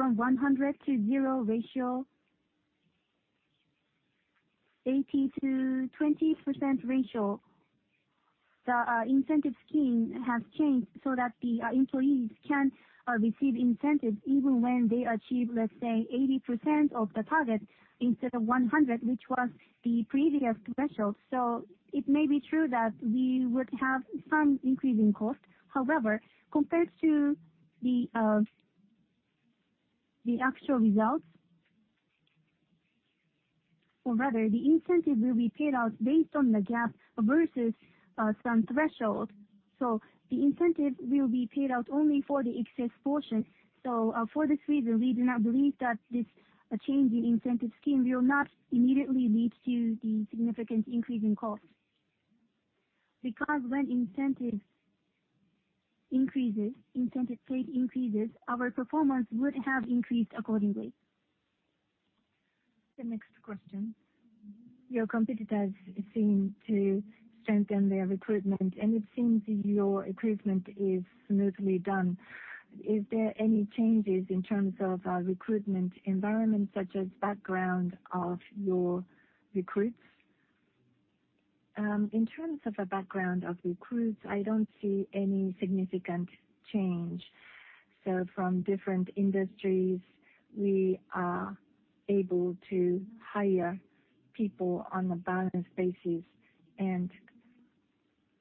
From 100 to 0 ratio, 80 to 20% ratio, the incentive scheme has changed so that the employees can receive incentive even when they achieve, let's say, 80% of the target instead of 100, which was the previous threshold. It may be true that we would have some increase in cost. However, compared to the actual results, or rather the incentive will be paid out based on the gap versus some threshold. The incentive will be paid out only for the excess portion. For this reason, we do not believe that this change in incentive scheme will not immediately lead to the significant increase in cost. When incentive increases, incentive paid increases, our performance would have increased accordingly. The next question. Your competitors seem to strengthen their recruitment, it seems your recruitment is smoothly done. Is there any changes in terms of recruitment environment, such as background of your recruits? In terms of the background of recruits, I don't see any significant change. From different industries, we are able to hire people on a balanced basis.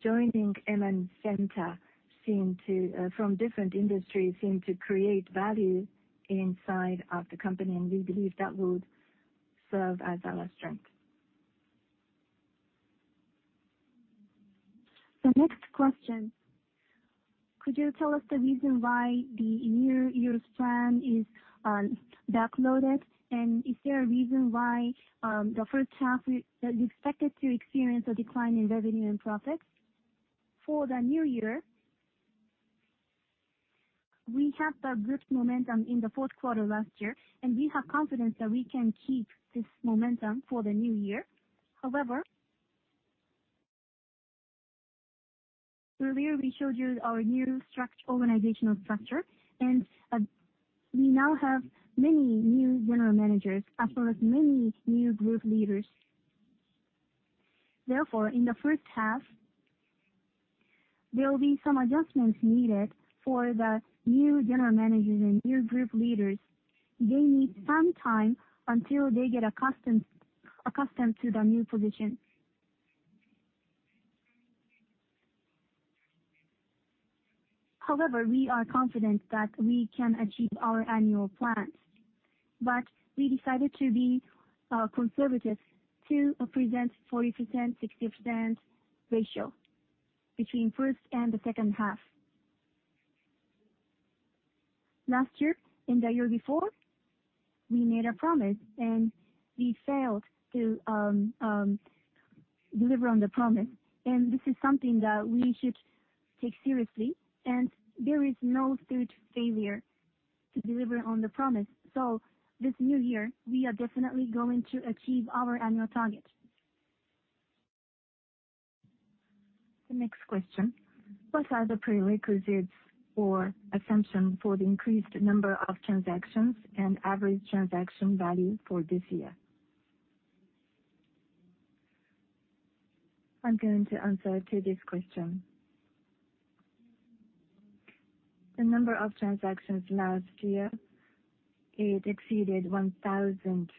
Joining M&A Center seem to from different industries seem to create value inside of the company, and we believe that would- Serve as our strength. The next question, could you tell us the reason why the new year's plan is backloaded and is there a reason why the first half we expected to experience a decline in revenue and profits? For the new year, we have the group's momentum in the fourth quarter last year, and we have confidence that we can keep this momentum for the new year. Earlier, we showed you our new organizational structure, and we now have many new general managers as well as many new group leaders. In the first half, there will be some adjustments needed for the new general managers and new group leaders. They need some time until they get accustomed to their new position. We are confident that we can achieve our annual plans. We decided to be conservative to present 40%, 60% ratio between first and the second half. Last year and the year before, we made a promise and we failed to deliver on the promise, and this is something that we should take seriously, and there is no third failure to deliver on the promise. This new year, we are definitely going to achieve our annual target. The next question. What are the prerequisites or assumption for the increased number of transactions and average transaction value for this year? I'm going to answer to this question. The number of transactions last year, it exceeded 1,000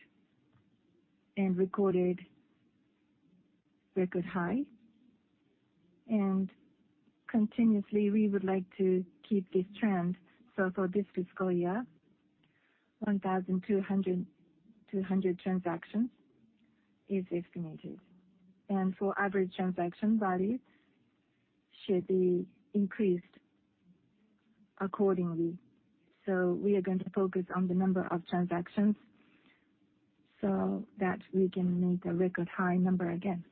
and recorded record high. Continuously, we would like to keep this trend. For this fiscal year, 1,200 transactions is estimated. For average transaction value should be increased accordingly. We are going to focus on the number of transactions so that we can make a record high number again.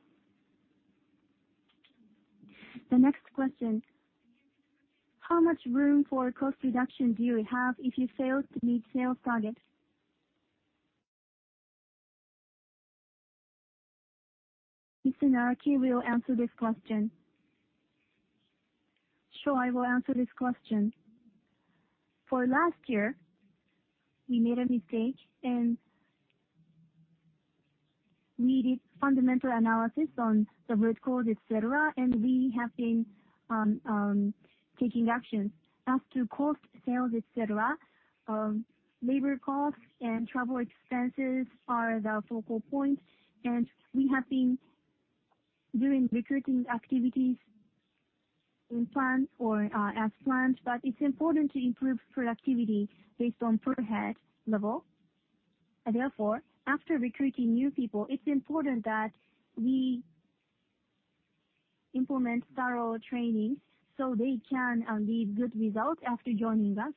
The next question. How much room for cost reduction do you have if you fail to meet sales targets? Mr. Naraki will answer this question. Sure, I will answer this question. For last year, we made a mistake and we did fundamental analysis on the root cause, et cetera, and we have been taking action. As to cost sales, et cetera, labor costs and travel expenses are the focal point, and we have been doing recruiting activities in plan or as planned, but it's important to improve productivity based on per head level. Therefore, after recruiting new people, it's important that we implement thorough training, so they can lead good results after joining us.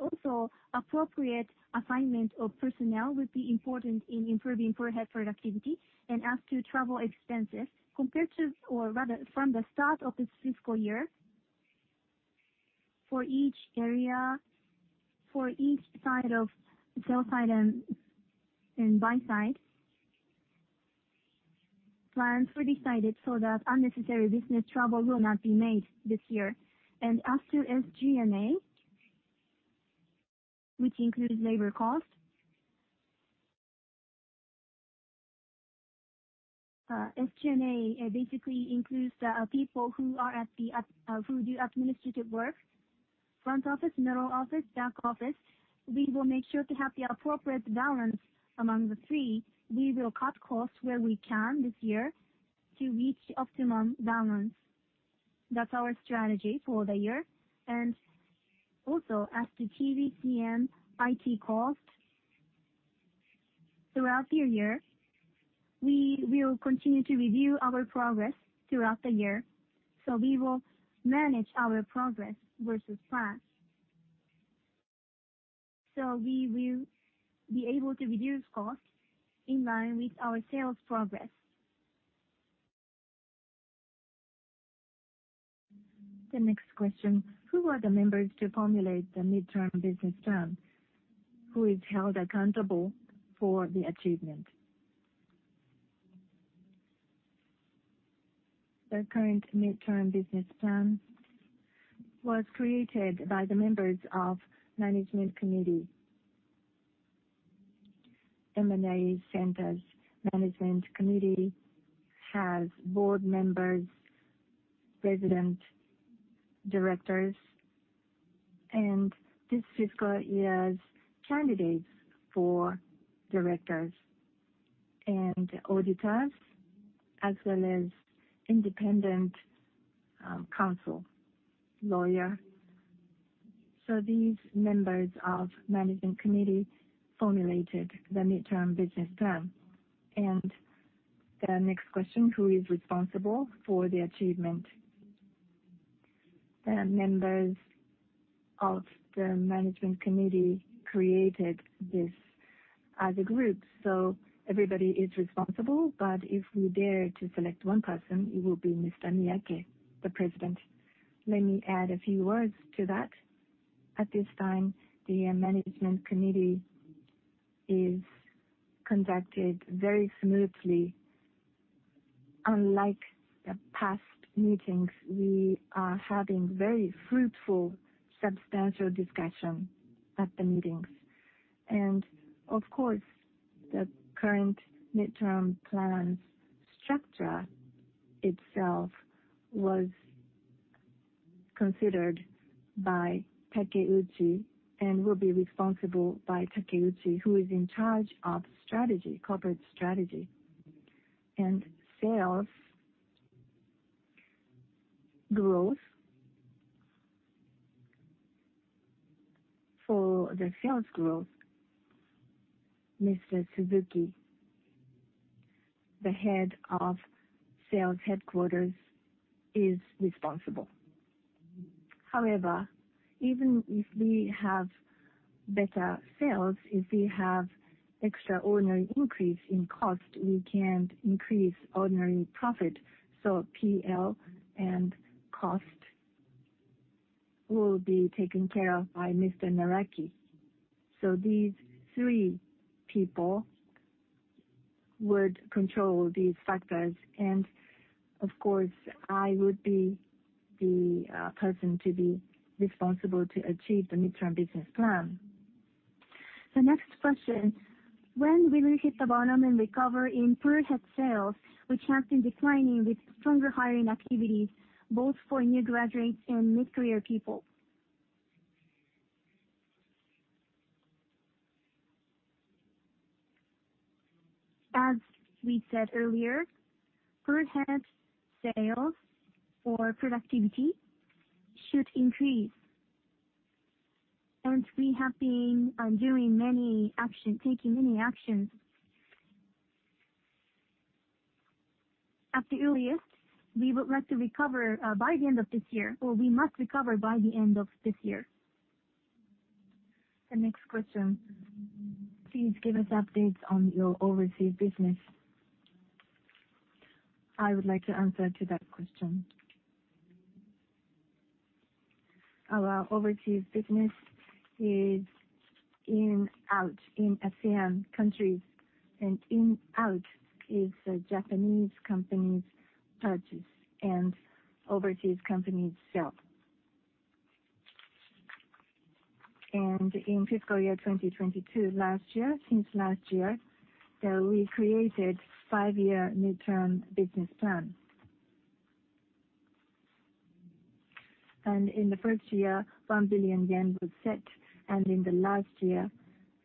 Also appropriate assignment of personnel would be important in improving per head productivity and as to travel expenses compared to or rather from the start of this fiscal year. For each area, for each side of sell side and buy side, plans were decided so that unnecessary business travel will not be made this year. As to SG&A, which includes labor cost. SG&A basically includes the people who are at the who do administrative work, front office, middle office, back office. We will make sure to have the appropriate balance among the three. We will cut costs where we can this year to reach optimum balance. That's our strategy for the year. As to TVCM IT cost, throughout the year, we will continue to review our progress throughout the year, so we will manage our progress versus plans. We will be able to reduce costs in line with our sales progress. The next question. Who are the members to formulate the midterm business plan? Who is held accountable for the achievement? The current midterm business plan was created by the members of management committee. M&A Center's management committee has board members, president, directors, and this fiscal year's candidates for directors. Auditors as well as independent council lawyer. These members of management committee formulated the midterm business plan. The next question, who is responsible for the achievement? The members of the management committee created this as a group, so everybody is responsible, but if we dare to select one person, it will be Mr. Miyake, the president. Let me add a few words to that. At this time, the management committee is conducted very smoothly. Unlike the past meetings, we are having very fruitful, substantial discussion at the meetings. Of course, the current midterm plan's structure itself was considered by Takeuchi and will be responsible by Takeuchi who is in charge of strategy, corporate strategy. Sales growth. For the sales growth, Mr. Suzuki, the head of sales headquarters, is responsible. Even if we have better sales, if we have extraordinary increase in cost, we can't increase ordinary profit. PL and cost will be taken care of by Mr. Naraki. These three people would control these factors. Of course, I would be the person to be responsible to achieve the midterm business plan. The next question, when will you hit the bottom and recover in per head sales, which have been declining with stronger hiring activities both for new graduates and mid-career people? We said earlier, per head sales or productivity should increase, and we have been doing many action, taking many actions. At the earliest, we would like to recover by the end of this year, or we must recover by the end of this year. The next question, please give us updates on your overseas business. I would like to answer to that question. Our overseas business is In-Out, in ASEAN countries. In-Out is a Japanese company's purchase and overseas company's sale. In fiscal year 2022 last year, since last year, we created 5-year midterm business plan. In the first year, 1 billion yen was set, and in the last year,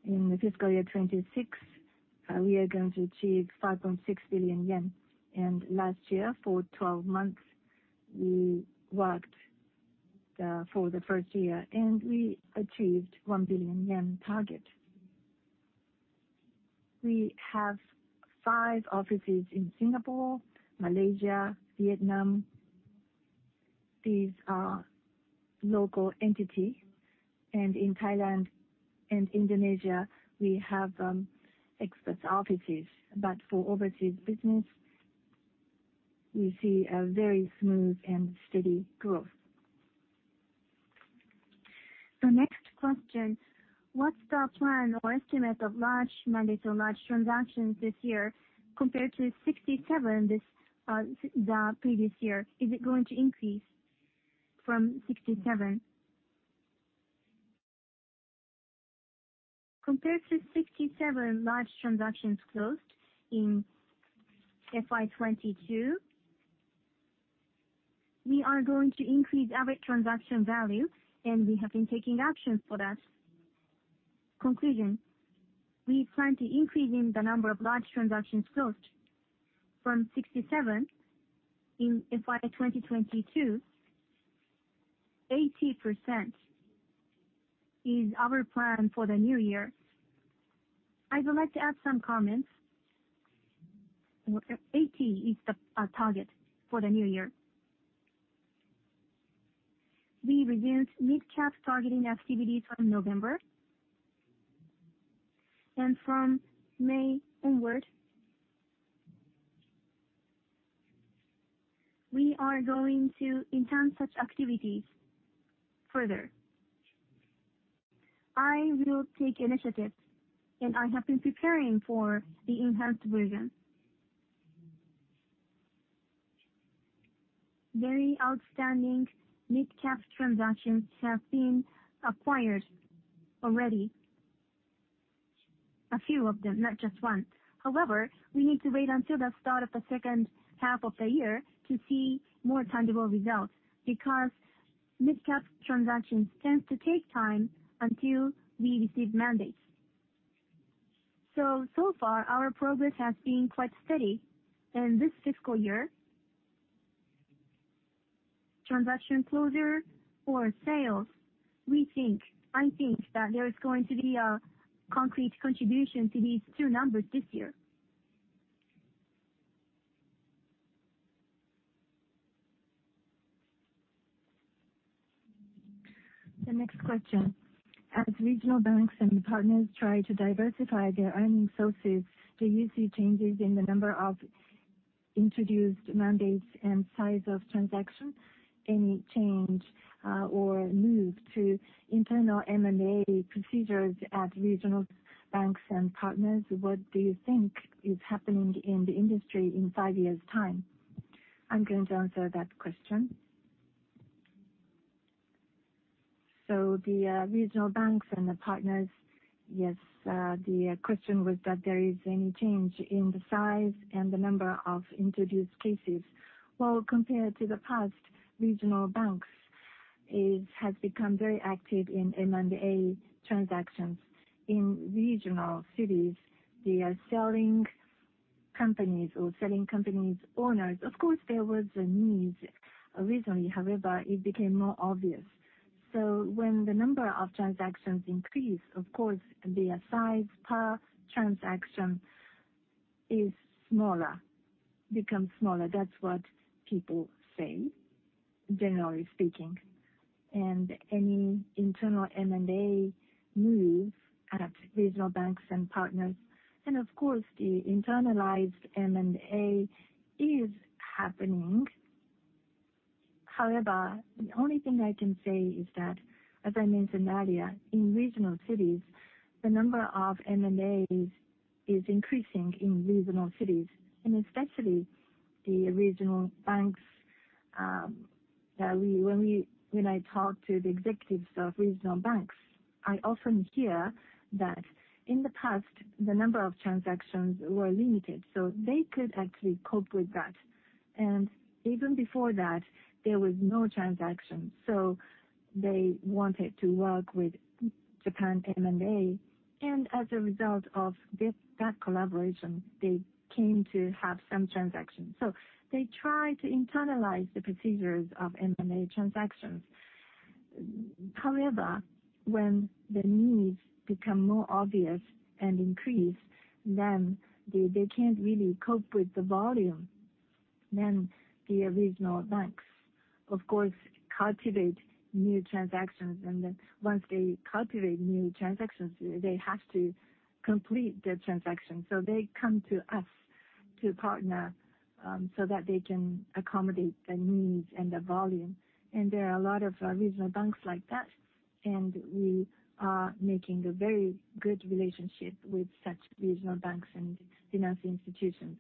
in the fiscal year 2026, we are going to achieve 5.6 billion yen. Last year, for 12 months, we worked for the first year, and we achieved 1 billion yen target. We have 5 offices in Singapore, Malaysia, Vietnam. These are local entity. In Thailand and Indonesia we have express offices. For overseas business, we see a very smooth and steady growth. The next question, what's the plan or estimate of large mandate or large transactions this year compared to 67 the previous year? Is it going to increase from 67? Compared to 67 large transactions closed in FY 2022, we are going to increase our transaction value, and we have been taking actions for that. Conclusion, we plan to increase in the number of large transactions closed from 67 in FY 2022. 80% is our plan for the new year. I would like to add some comments. Where 80 is our target for the new year. We resumed mid-cap targeting activities from November. From May onward, we are going to enhance such activities further. I will take initiatives, and I have been preparing for the enhanced version. Very outstanding mid-cap transactions have been acquired already. A few of them, not just one. We need to wait until the start of the second half of the year to see more tangible results because mid-cap transactions tend to take time until we receive mandates. So far our progress has been quite steady. In this fiscal year, transaction closure or sales, we think, I think that there is going to be a concrete contribution to these two numbers this year. As regional banks and partners try to diversify their earning sources, do you see changes in the number of introduced mandates and size of transaction? Any change or move to internal M&A procedures at regional banks and partners? What do you think is happening in the industry in five years' time? I'm going to answer that question. The regional banks and the partners, yes, the question was that there is any change in the size and the number of introduced cases. Compared to the past, regional banks has become very active in M&A transactions. In regional cities, they are selling companies or selling companies' owners. Of course, there was a need originally, however, it became more obvious. When the number of transactions increase, of course, their size per transaction is smaller, becomes smaller. That's what people say, generally speaking. Any internal M&A move at regional banks and partners, and of course, the internalized M&A is happening. The only thing I can say is that, as I mentioned earlier, in regional cities, the number of M&As is increasing in regional cities, and especially the regional banks, when I talk to the executives of regional banks, I often hear that in the past, the number of transactions were limited, so they could actually cope with that. Even before that, there was no transaction, so they wanted to work with Nihon M&A Center. As a result of this, that collaboration, they came to have some transactions. They try to internalize the procedures of M&A transactions. When the needs become more obvious and increase, then they can't really cope with the volume. The regional banks, of course, cultivate new transactions. Once they cultivate new transactions, they have to complete the transaction. They come to us to partner, so that they can accommodate the needs and the volume. There are a lot of regional banks like that, and we are making a very good relationship with such regional banks and financing institutions.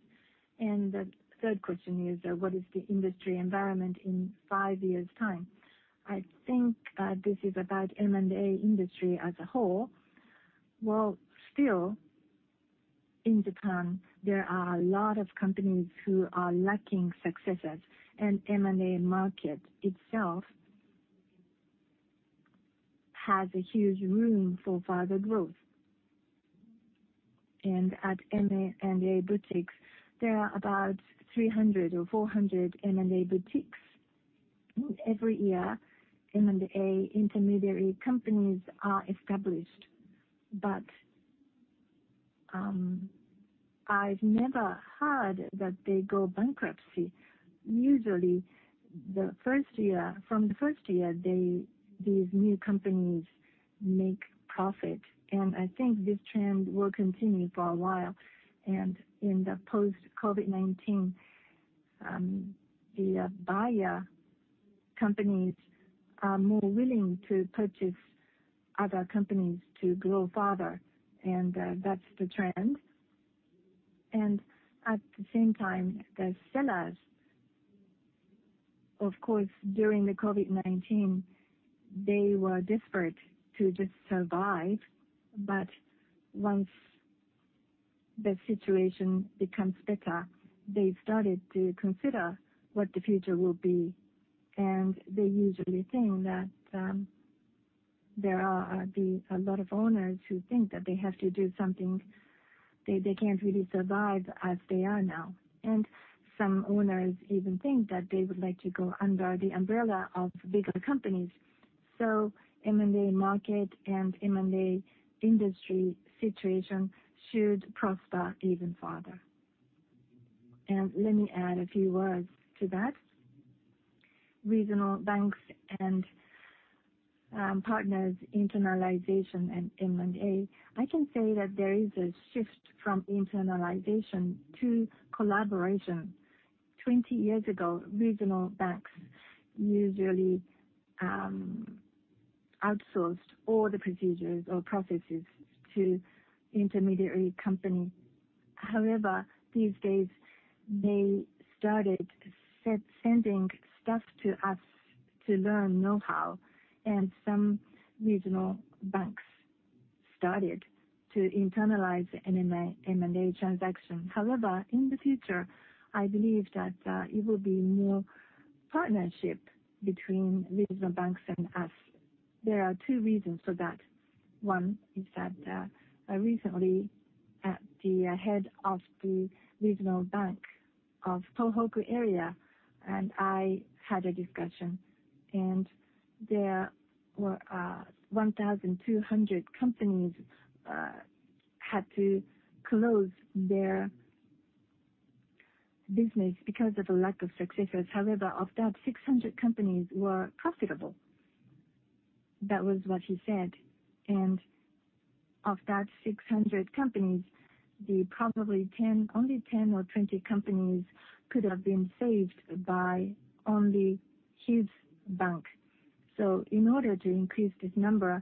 The third question is, what is the industry environment in five years' time? I think, this is about M&A industry as a whole. Well, still in Japan, there are a lot of companies who are lacking successes, and M&A market itself has a huge room for further growth. At M&A boutiques, there are about 300 or 400 M&A boutiques. Every year, M&A intermediary companies are established. I've never heard that they go bankruptcy. Usually, the first year, from the first year, they, these new companies make profit, and I think this trend will continue for a while. In the post COVID-19, the buyer companies are more willing to purchase other companies to grow further, that's the trend. At the same time, the sellers, of course, during the COVID-19, they were desperate to just survive. Once the situation becomes better, they started to consider what the future will be. They usually think that there are a lot of owners who think that they have to do something. They can't really survive as they are now. Some owners even think that they would like to go under the umbrella of bigger companies. M&A market and M&A industry situation should prosper even further. Let me add a few words to that. Regional banks and partners' internalization and M&A, I can say that there is a shift from internalization to collaboration. 20 years ago, regional banks usually outsourced all the procedures or processes to intermediary company. These days, they started sending stuff to us to learn know-how, and some regional banks started to internalize the M&A transaction. In the future, I believe that it will be more partnership between regional banks and us. There are 2 reasons for that. One is that, recently at the head of the regional bank of Tohoku area, and I had a discussion, and there were 1,200 companies had to close their business because of the lack of successors. Of that 600 companies were profitable. That was what he said. Of that 600 companies, the probably 10, only 10 or 20 companies could have been saved by only his bank. In order to increase this number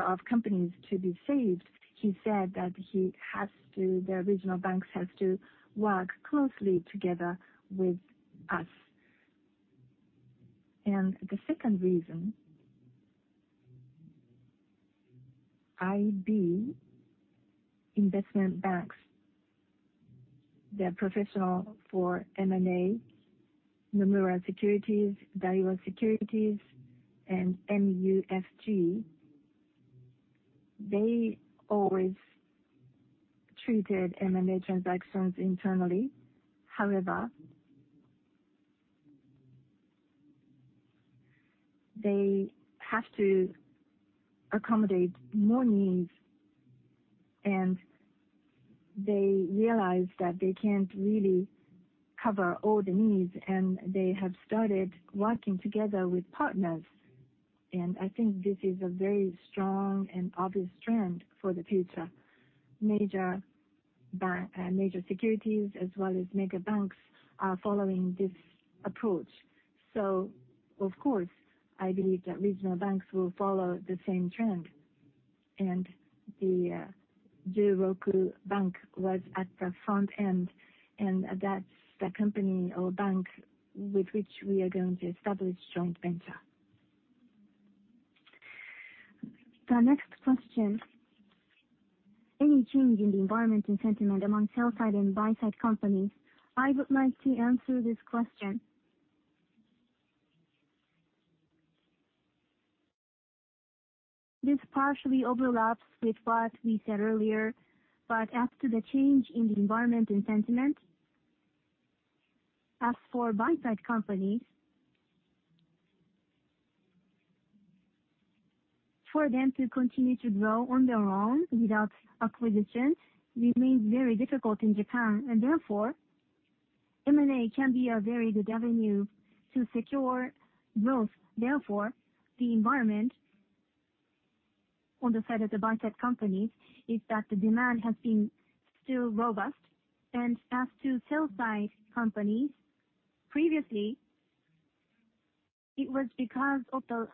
of companies to be saved, he said that the regional banks has to work closely together with us. The second reason, IB, investment banks, they're professional for M&A, Nomura Securities, Daiwa Securities, and MUFG. They always treated M&A transactions internally. However, they have to accommodate more needs, and they realize that they can't really cover all the needs, and they have started working together with partners. I think this is a very strong and obvious trend for the future. Major bank, major securities as well as mega banks are following this approach. Of course, I believe that regional banks will follow the same trend. The Juroku Bank was at the front end, and that's the company or bank with which we are going to establish joint venture. The next question, any change in the environment and sentiment among sell-side and buy-side companies? I would like to answer this question. This partially overlaps with what we said earlier, but as to the change in the environment and sentiment, as for buy-side companies, for them to continue to grow on their own without acquisitions remains very difficult in Japan. Therefore, M&A can be a very good avenue to secure growth. Therefore, the environment on the side of the buy-side companies is that the demand has been still robust. As to sell-side companies, previously, it was because of the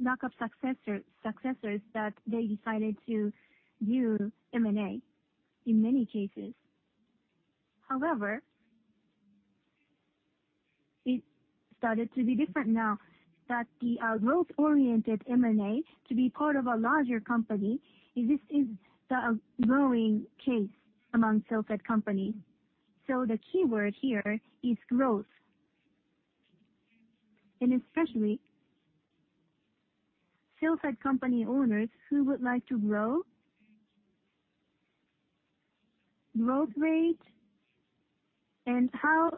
lack of successors that they decided to do M&A in many cases. However, it started to be different now that the growth-oriented M&A to be part of a larger company is the growing case among sell-side companies. The key word here is growth. Especially sell-side company owners who would like to grow, growth rate and how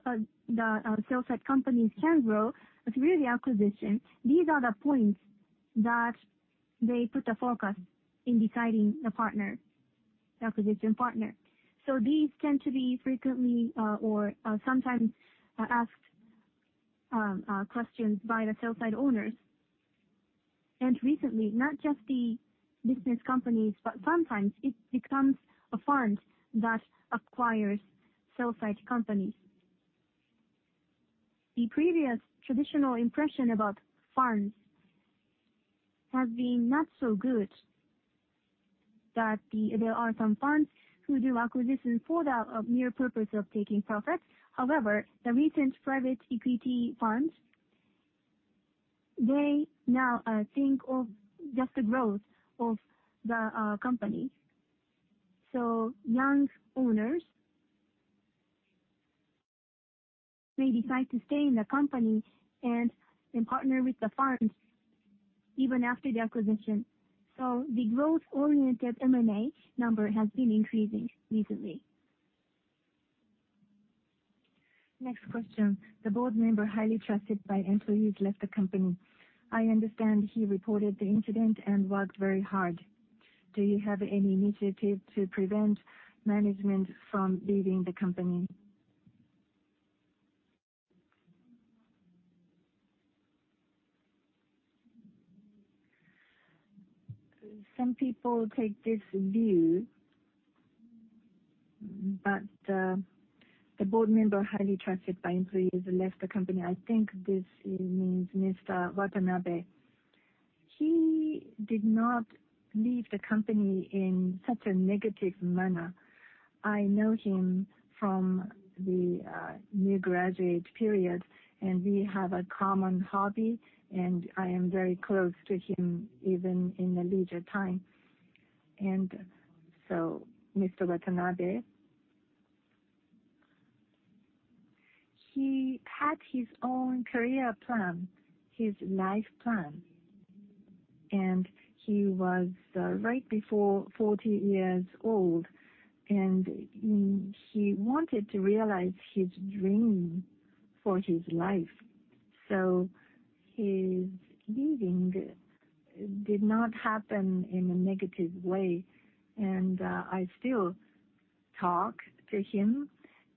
the sell-side companies can grow through the acquisition. These are the points that they put a focus in deciding the partner, the acquisition partner. These tend to be frequently or sometimes asked questions by the sell-side owners. Recently, not just the business companies, but sometimes it becomes a fund that acquires sell-side companies. The previous traditional impression about funds has been not so good that there are some funds who do acquisitions for the mere purpose of taking profits. However, the recent private equity funds, they now think of just the growth of the company. Young owners may decide to stay in the company and partner with the funds even after the acquisition. The growth-oriented M&A number has been increasing recently. Next question. The board member highly trusted by employees left the company. I understand he reported the incident and worked very hard. Do you have any initiative to prevent management from leaving the company? Some people take this view, but the board member highly trusted by employees left the company. I think this means Mr. Watanabe. He did not leave the company in such a negative manner. I know him from the new graduate period, and we have a common hobby, and I am very close to him even in the leisure time. Mr. Watanabe, he had his own career plan, his life plan, and he was right before 40 years old, and he wanted to realize his dream for his life. His leaving did not happen in a negative way. I still talk to him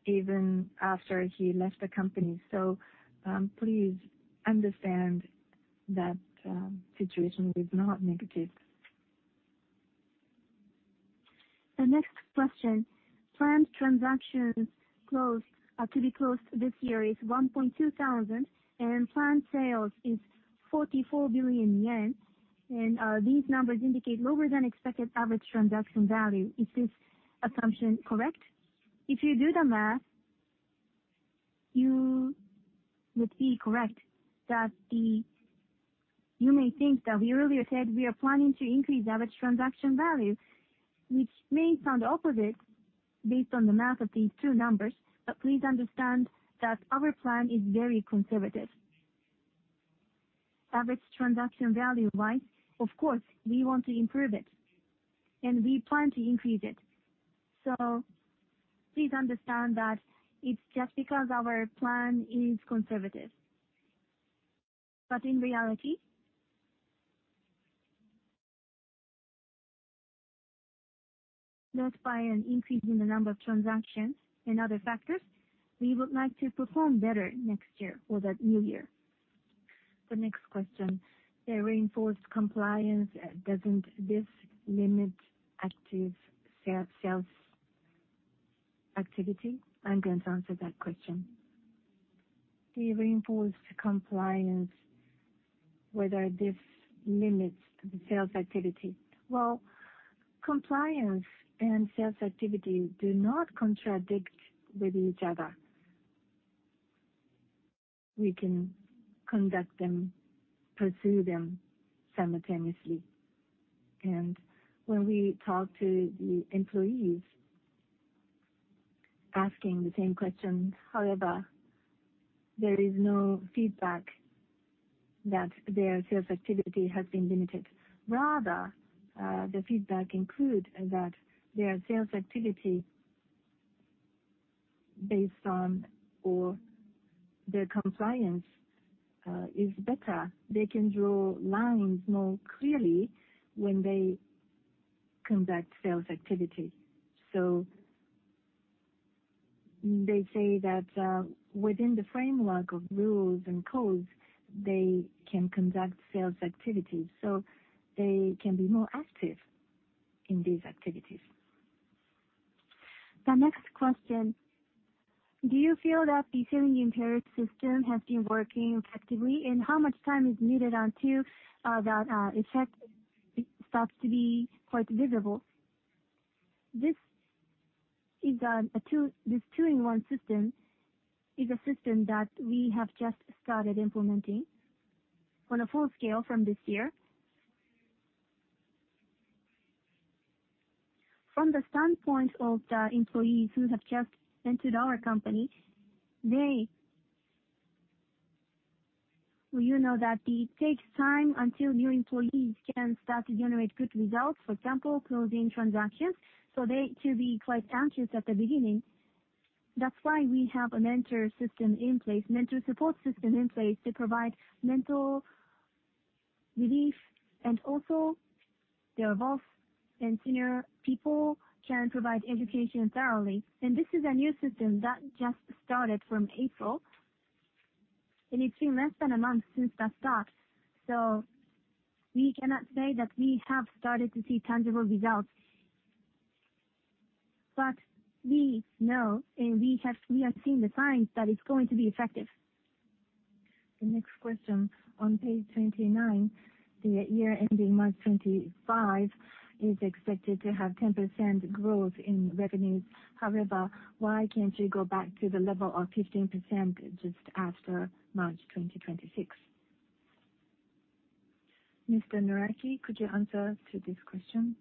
even after he left the company. Please understand that situation is not negative. The next question. Planned transactions closed to be closed this year is 1,200, and planned sales is 44 billion yen. These numbers indicate lower than expected average transaction value. Is this assumption correct? If you do the math, you would be correct that You may think that we earlier said we are planning to increase average transaction value, which may sound opposite based on the math of these two numbers. Please understand that our plan is very conservative. Average transaction value, right. Of course, we want to improve it and we plan to increase it. Please understand that it's just because our plan is conservative. In reality, not by an increase in the number of transactions and other factors, we would like to perform better next year or that new year. The next question. The reinforced compliance, doesn't this limit active sales activity? I'm going to answer that question. The reinforced compliance, whether this limits the sales activity. Well, compliance and sales activity do not contradict with each other. We can conduct them, pursue them simultaneously. When we talk to the employees asking the same questions, however, there is no feedback that their sales activity has been limited. Rather, the feedback include that their sales activity based on or their compliance is better. They can draw lines more clearly when they conduct sales activity. They say that, within the framework of rules and codes, they can conduct sales activities, so they can be more active in these activities. The next question. Do you feel that the selling impaired system has been working effectively? How much time is needed until that effect starts to be quite visible? This is a two-in-one system is a system that we have just started implementing on a full scale from this year. From the standpoint of the employees who have just entered our company, Well, you know that it takes time until new employees can start to generate good results, for example, closing transactions, so they tend to be quite anxious at the beginning. That's why we have a mentor system in place, mentor support system in place to provide mental relief. Also, the above and senior people can provide education thoroughly. This is a new system that just started from April, and it's been less than a month since that start. We cannot say that we have started to see tangible results, but we know and we have seen the signs that it's going to be effective. The next question. On page 29, the year ending March 2025 is expected to have 10% growth in revenues. However, why can't you go back to the level of 15% just after March 2026? Mr. Naraki, could you answer to this question?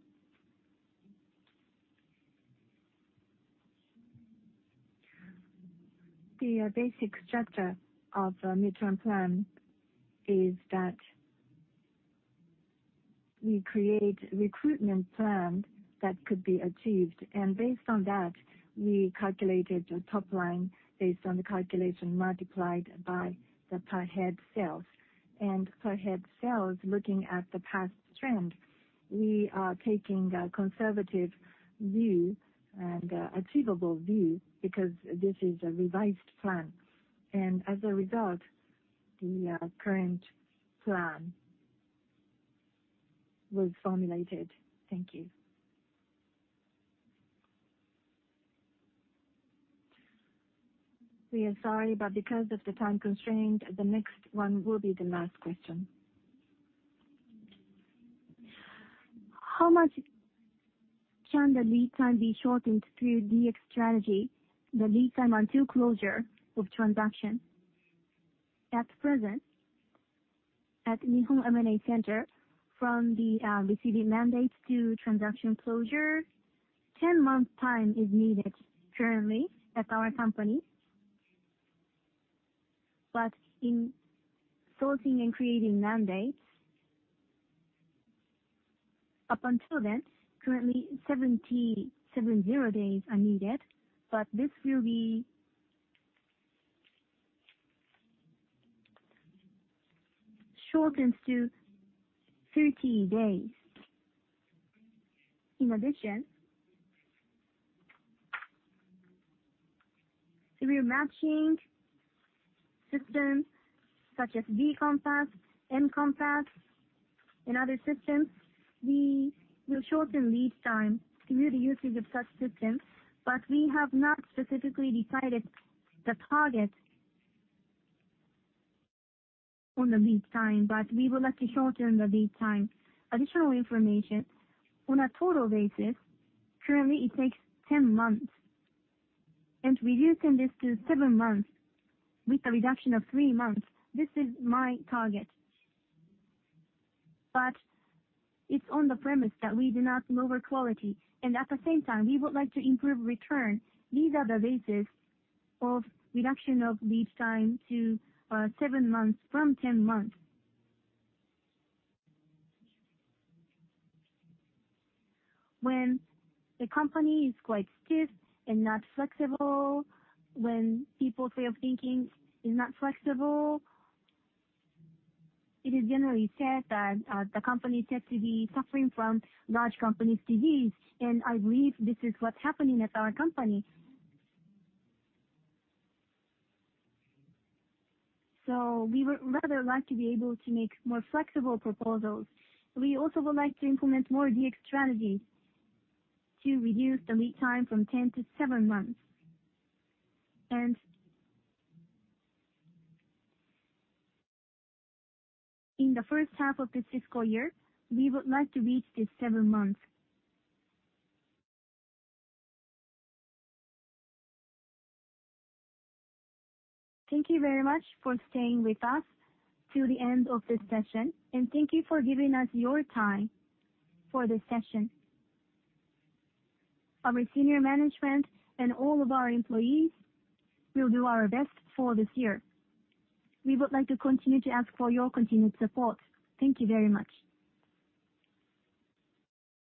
The basic structure of a midterm plan is that we create recruitment plan that could be achieved. Based on that, we calculated the top line based on the calculation multiplied by the per head sales. Per head sales, looking at the past trend, we are taking a conservative view and achievable view because this is a revised plan. As a result, the current plan was formulated. Thank you. We are sorry, because of the time constraint, the next one will be the last question. How much can the lead time be shortened through DX strategy? The lead time until closure of transaction. At present, at Nihon M&A Center, from the receiving mandate to transaction closure, 10-month time is needed currently at our company. In sorting and creating mandates, up until then, currently 70 days are needed, but this will be shortened to 30 days. In addition, through matching systems such as B-Compass, M-Compass and other systems, we will shorten lead time through the usage of such systems, but we have not specifically decided the target on the lead time, but we would like to shorten the lead time. Additional information. On a total basis, currently it takes 10 months and reducing this to 7 months with a reduction of 3 months, this is my target. It's on the premise that we do not lower quality and at the same time, we would like to improve return. These are the basis of reduction of lead time to 7 months from 10 months. When the company is quite stiff and not flexible, when people's way of thinking is not flexible, it is generally said that the company tends to be suffering from large company's disease, and I believe this is what's happening at our company. We would rather like to be able to make more flexible proposals. We also would like to implement more DX strategies to reduce the lead time from 10 to 7 months. In the first half of this fiscal year, we would like to reach this 7 months. Thank you very much for staying with us till the end of this session. Thank you for giving us your time for this session. Our senior management and all of our employees will do our best for this year. We would like to continue to ask for your continued support. Thank you very much.